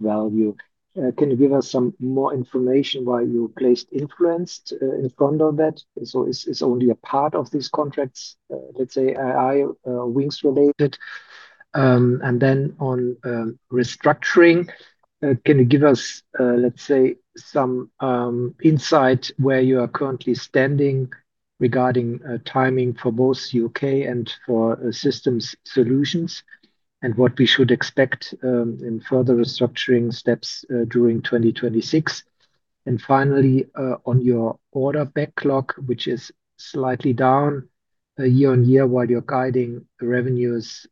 value. Can you give us some more information why you placed influenced in front of that? It's only a part of these contracts, let's say AI, Wynxx related. On restructuring, can you give us some insight where you are currently standing regarding timing for both U.K. and for Software Solutions and what we should expect in further restructuring steps during 2026? Finally, on your order backlog, which is slightly down year-on-year while you're guiding revenues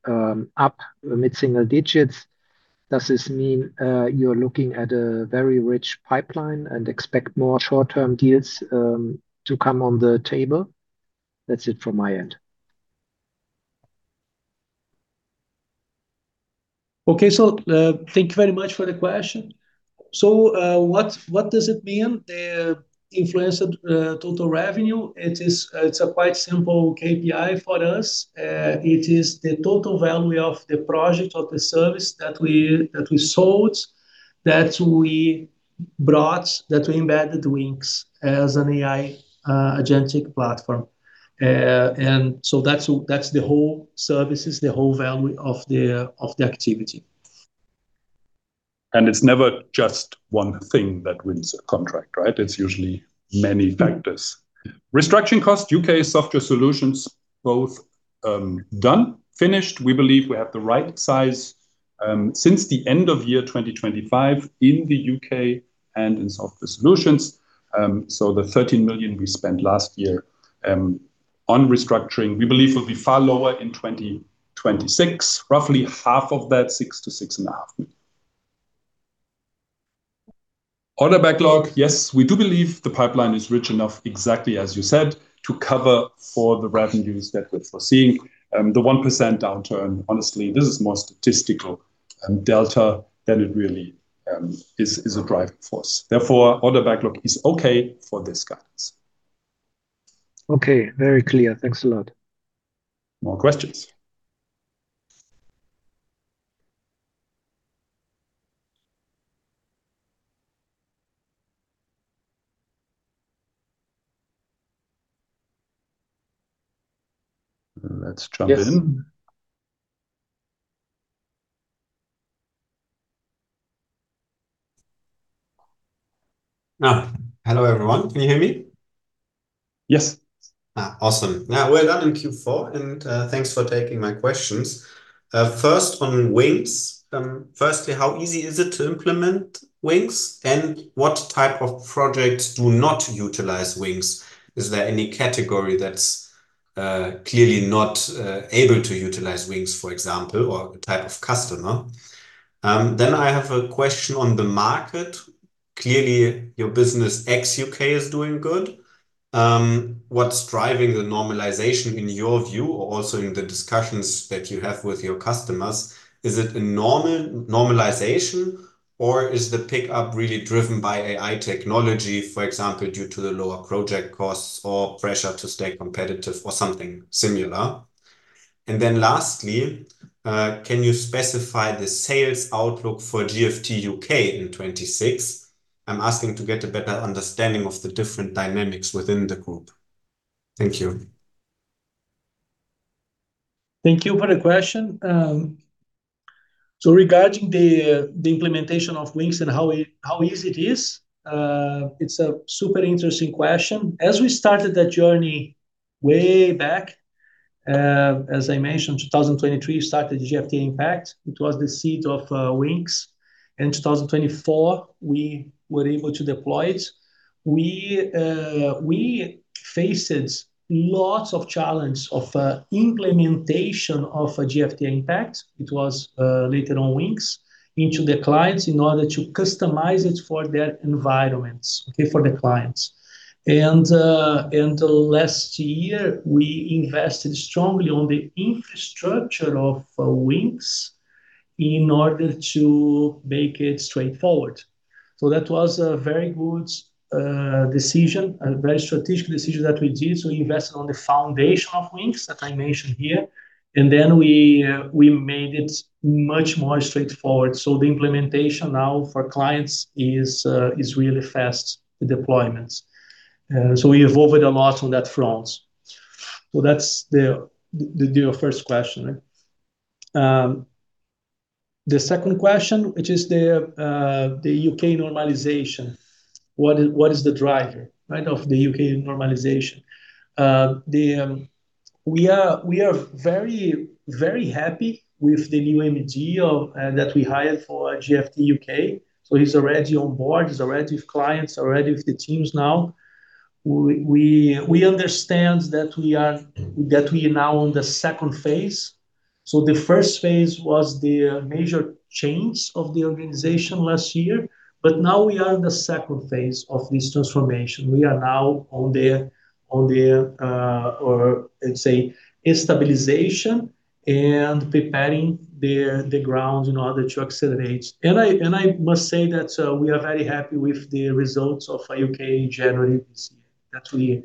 up mid-single digits, does this mean you're looking at a very rich pipeline and expect more short-term deals to come on the table? That's it from my end. Okay. Thank you very much for the question. What does it mean, the influenced total revenue? It is, it's a quite simple KPI for us. It is the total value of the project or the service that we sold, that we brought, that we embedded Wynxx as an AI agentic platform. That's the whole services, the whole value of the activity. It's never just one thing that wins a contract, right? It's usually many factors. Restructuring costs, U.K. Software Solutions, both done, finished. We believe we have the right size since the end of year 2025 in the U.K. and in Software Solutions. The 13 million we spent last year on restructuring, we believe will be far lower in 2026, roughly half of that, 6 million-6.5 million. Order backlog, yes, we do believe the pipeline is rich enough, exactly as you said, to cover for the revenues that we're foreseeing. The 1% downturn, honestly, this is more statistical delta than it really is a driving force. Order backlog is okay for this guidance. Okay. Very clear. Thanks a lot. More questions. Let's jump in. Yes. Hello, everyone. Can you hear me? Yes. Awesome. Now, well done in Q4, and thanks for taking my questions. First on Wynxx. Firstly, how easy is it to implement Wynxx, and what type of projects do not utilize Wynxx? Is there any category that's clearly not able to utilize Wynxx, for example, or type of customer? I have a question on the market. Clearly, your business ex-U.K. is doing good. What's driving the normalization in your view or also in the discussions that you have with your customers? Is it a normalization, or is the pickup really driven by AI technology, for example, due to the lower project costs or pressure to stay competitive or something similar? Lastly, can you specify the sales outlook for GFT U.K. in 2026? I'm asking to get a better understanding of the different dynamics within the group. Thank you. Thank you for the question. Regarding the implementation of Wynxx and how easy it is, it's a super interesting question. As we started that journey way back, as I mentioned, 2023 started GFT Impact. It was the seed of Wynxx. In 2024, we were able to deploy it. We faced lots of challenge of implementation of GFT Impact. It was later on Wynxx, into the clients in order to customize it for their environments, okay, for the clients. Last year, we invested strongly on the infrastructure of Wynxx in order to make it straightforward. That was a very good decision, a very strategic decision that we did. We invested on the foundation of Wynxx that I mentioned here, we made it much more straightforward. The implementation now for clients is really fast deployments. We evolved a lot on that front. That's the first question, right? The second question, which is the U.K. normalization. What is the driver, right, of the U.K. normalization? We are very, very happy with the new MG of that we hired for GFT U.K., so he's already on board. He's already with clients, already with the teams now. We understand that we are now on the second phase. The first phase was the major change of the organization last year, but now we are in the second phase of this transformation. We are now on the or let's say stabilization and preparing the ground in order to accelerate. I must say that we are very happy with the results of U.K. generally this year.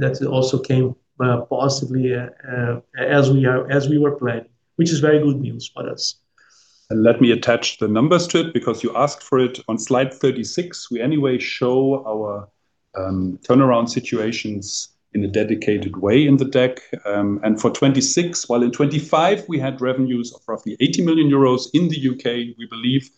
That's also came positively as we were planning, which is very good news for us. Let me attach the numbers to it because you asked for it. On slide 36, we anyway show our turnaround situations in a dedicated way in the deck. For 2026... While in 2025, we had revenues of roughly 80 million euros, in the U.K., we believe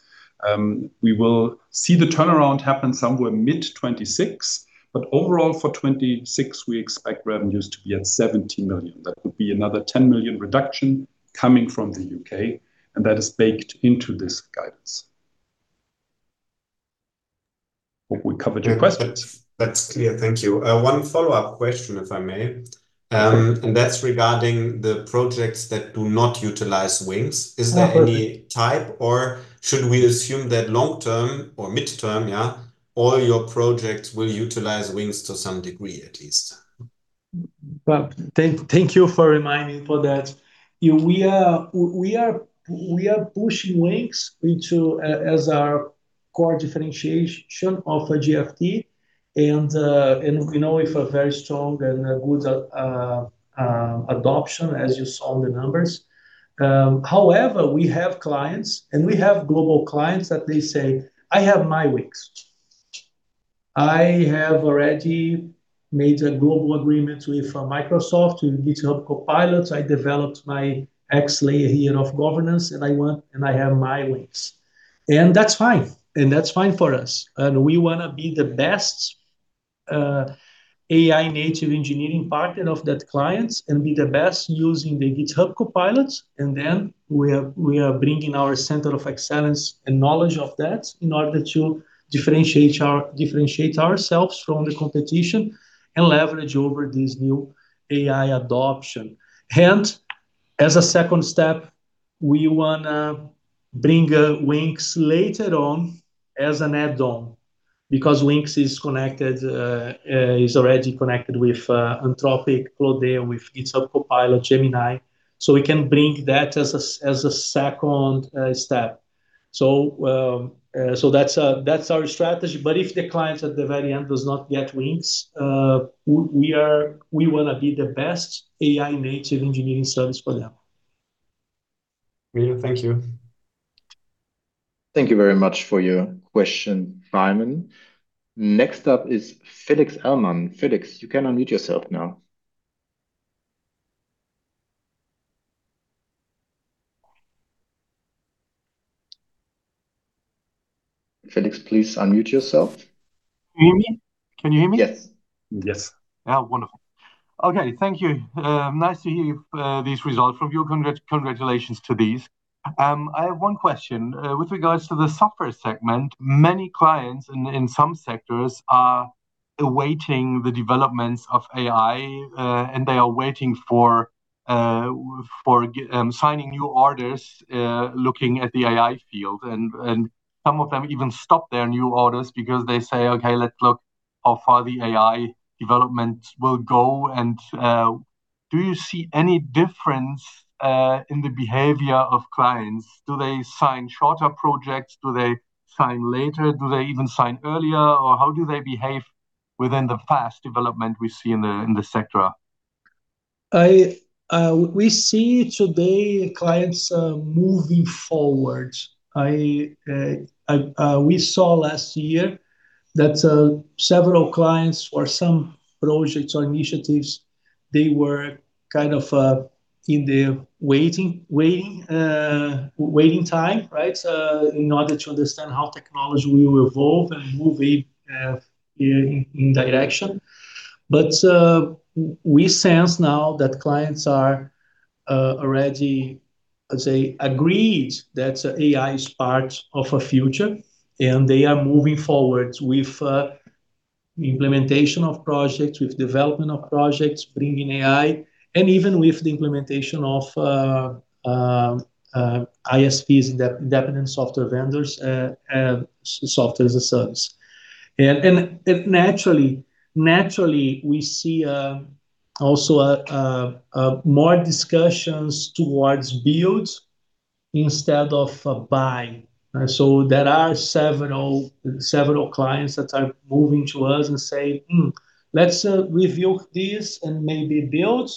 we will see the turnaround happen somewhere mid-2026. Overall, for 2026, we expect revenues to be at 70 million. That would be another 10 million reduction coming from the U.K., and that is baked into this guidance. Hope we covered your questions. That's clear. Thank you. One follow-up question, if I may. Sure. That's regarding the projects that do not utilize Wynxx. Oh, perfect. Is there any type, or should we assume that long-term or mid-term, yeah, all your projects will utilize Wynxx to some degree, at least? Well, thank you for reminding for that. Yeah, we are pushing Wynxx into as our core differentiation of GFT and, you know, with a very strong and a good adoption, as you saw in the numbers. However, we have clients and we have global clients that they say, "I have my Wynxx. I have already made a global agreement with Microsoft with GitHub Copilot. I developed my X layer here of governance, and I have my Wynxx." That's fine, and that's fine for us. We wanna be the best AI native engineering partner of that clients and be the best using the GitHub Copilot, we are bringing our center of excellence and knowledge of that in order to differentiate ourselves from the competition and leverage over this new AI adoption. As a second step, we wanna bring Wynxx later on as an add-on because Wynxx is connected, is already connected with Anthropic, Claude, with GitHub Copilot, Gemini. We can bring that as a second step. That's our strategy. If the client at the very end does not get Wynxx, we wanna be the best AI native engineering service for them. Miro, thank you. Thank you very much for your question, Simon. Next up is Felix Ellmann. Felix, you can unmute yourself now. Felix, please unmute yourself. Can you hear me? Can you hear me? Yes. Yes. Oh, wonderful. Okay, thank you. Nice to hear these results from you. Congratulations to these. I have one question. With regards to the software segment, many clients in some sectors are awaiting the developments of AI, and they are waiting for GFT signing new orders, looking at the AI field. Some of them even stop their new orders because they say, "Okay, let's look how far the AI developments will go." Do you see any difference in the behavior of clients? Do they sign shorter projects? Do they sign later? Do they even sign earlier, or how do they behave within the fast development we see in the sector? We see today clients moving forward. We saw last year that several clients or some projects or initiatives, they were kind of in the waiting time, right? In order to understand how technology will evolve and move in direction. We sense now that clients are already, let's say, agreed that AI is part of a future, and they are moving forward with implementation of projects, with development of projects, bringing AI, and even with the implementation of ISV, Independent Software Vendors, Software as a Service. It naturally, we see also more discussions towards build instead of buy. There are several clients that are moving to us and say, "Hmm, let's review this and maybe build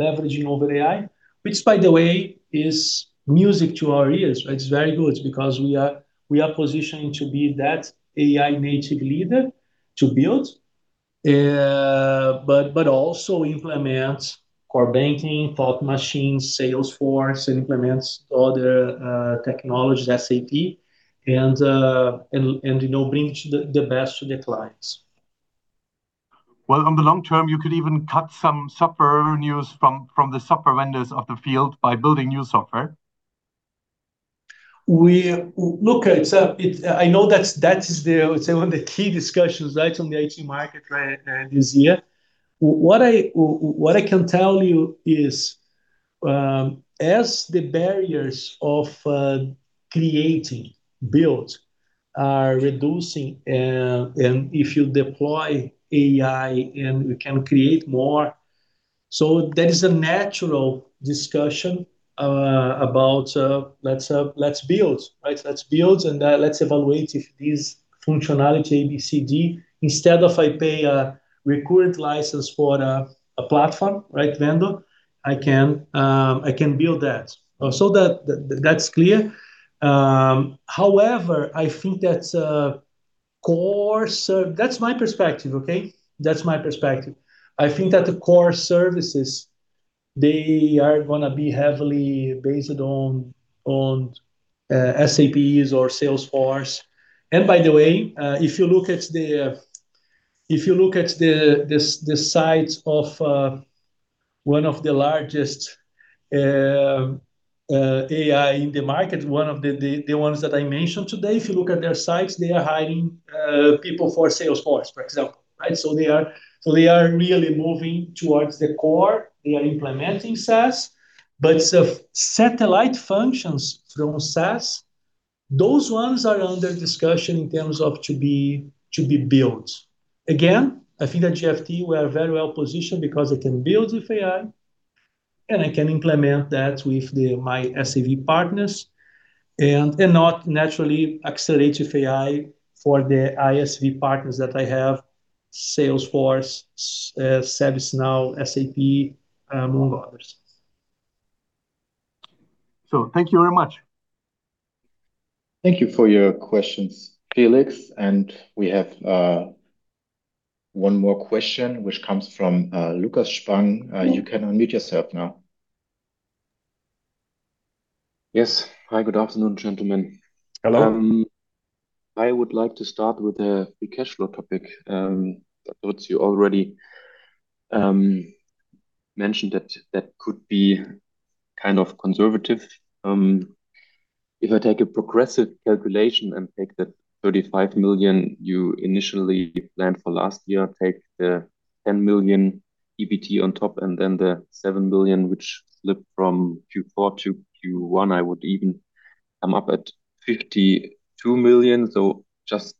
leveraging over the AI." Which by the way, is music to our ears, right? It's very good because we are positioning to be that AI native leader to build. But also implement core banking, Thought Machine, Salesforce, implements other technologies, SAP, and, you know, bring the best to the clients. Well, on the long term, you could even cut some software revenues from the software vendors of the field by building new software. Look, it's, I know that's, that is the, it's one of the key discussions, right, on the IT market trend this year. What I can tell you is, as the barriers of creating build are reducing, and if you deploy AI and we can create more, so there is a natural discussion about let's build, right? Let's build and let's evaluate if this functionality, A, B, C, D, instead of I pay a recurrent license for a platform, right, vendor, I can build that. So that's clear. However, I think that core that's my perspective, okay? That's my perspective. I think that the core services, they are gonna be heavily based on SAPs or Salesforce. By the way, if you look at the sites of one of the largest AI in the market, one of the ones that I mentioned today. If you look at their sites, they are hiring people for Salesforce, for example, right? They are really moving towards the core. They are implementing SaaS. The satellite functions from SaaS, those ones are under discussion in terms of to be built. I think at GFT we are very well positioned because I can build with AI, and I can implement that with the, my SAP partners, and not naturally accelerate with AI for the ISV partners that I have, Salesforce, ServiceNow, SAP, among others. Thank you very much. Thank you for your questions, Felix. We have one more question, which comes from Lucas Spang. You can unmute yourself now. Yes. Hi, good afternoon, gentlemen. Hello. I would like to start with the cash flow topic. What you already mentioned that could be kind of conservative. If I take a progressive calculation and take the 35 million you initially planned for last year, take the 10 million EBT on top, and then the 7 million which slipped from Q4 to Q1, I would even come up at 52 million. Just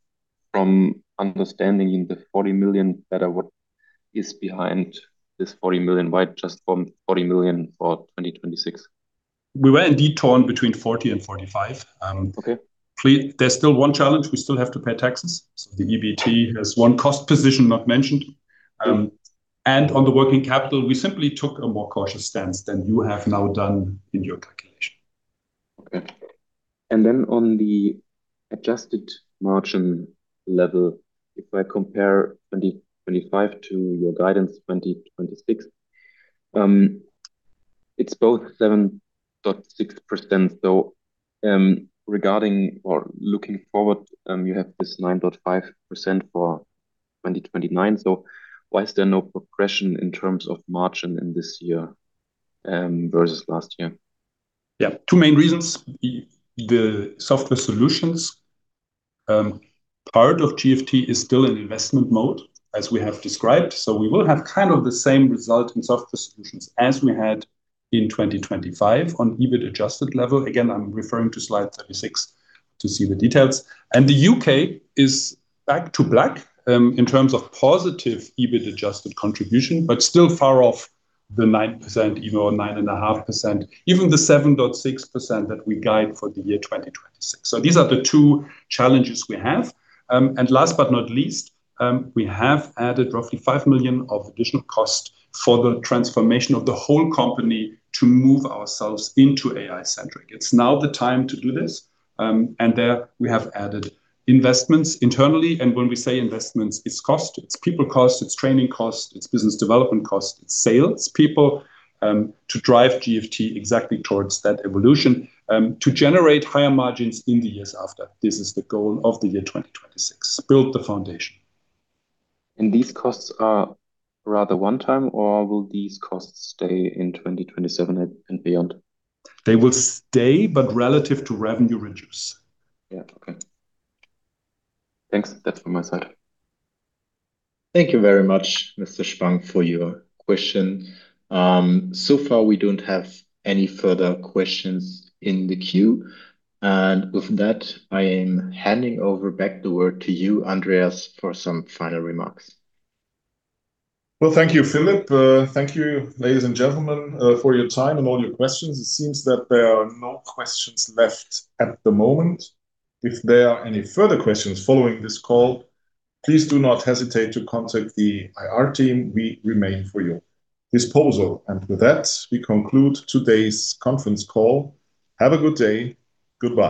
from understanding the 40 million better, what is behind this 40 million? Why just from 40 million for 2026? We were indeed torn between 40 and 45. Okay. There's still one challenge. We still have to pay taxes. The EBT has one cost position not mentioned. On the working capital, we simply took a more cautious stance than you have now done in your calculation. Okay. On the adjusted margin level, if I compare 2025 to your guidance 2026, it's both 7.6%. Regarding or looking forward, you have this 9.5% for 2029. Why is there no progression in terms of margin in this year versus last year? Yeah. Two main reasons. The Software Solutions part of GFT is still in investment mode as we have described. We will have kind of the same result in Software Solutions as we had in 2025 on adjusted EBIT level. Again, I'm referring to slide 36 to see the details. The U.K. is back to black in terms of positive adjusted EBIT contribution, but still far off the 9%, even our 9.5%, even the 7.6% that we guide for the year 2026. These are the two challenges we have. Last but not least, we have added roughly 5 million of additional cost for the transformation of the whole company to move ourselves into AI-centric. It's now the time to do this. There we have added investments internally. When we say investments, it's cost. It's people cost, it's training cost, it's business development cost, it's sales people, to drive GFT exactly towards that evolution, to generate higher margins in the years after. This is the goal of the year 2026, build the foundation. These costs are rather one time or will these costs stay in 2027 and beyond? They will stay, but relative to revenue reduce. Yeah. Okay. Thanks. That's from my side. Thank you very much, Mr. Spang, for your question. So far, we don't have any further questions in the queue. With that, I am handing over back the word to you, Andreas, for some final remarks. Well, thank you, Philip. Thank you, ladies and gentlemen, for your time and all your questions. It seems that there are no questions left at the moment. If there are any further questions following this call, please do not hesitate to contact the IR team. We remain for your disposal. With that, we conclude today's conference call. Have a good day. Goodbye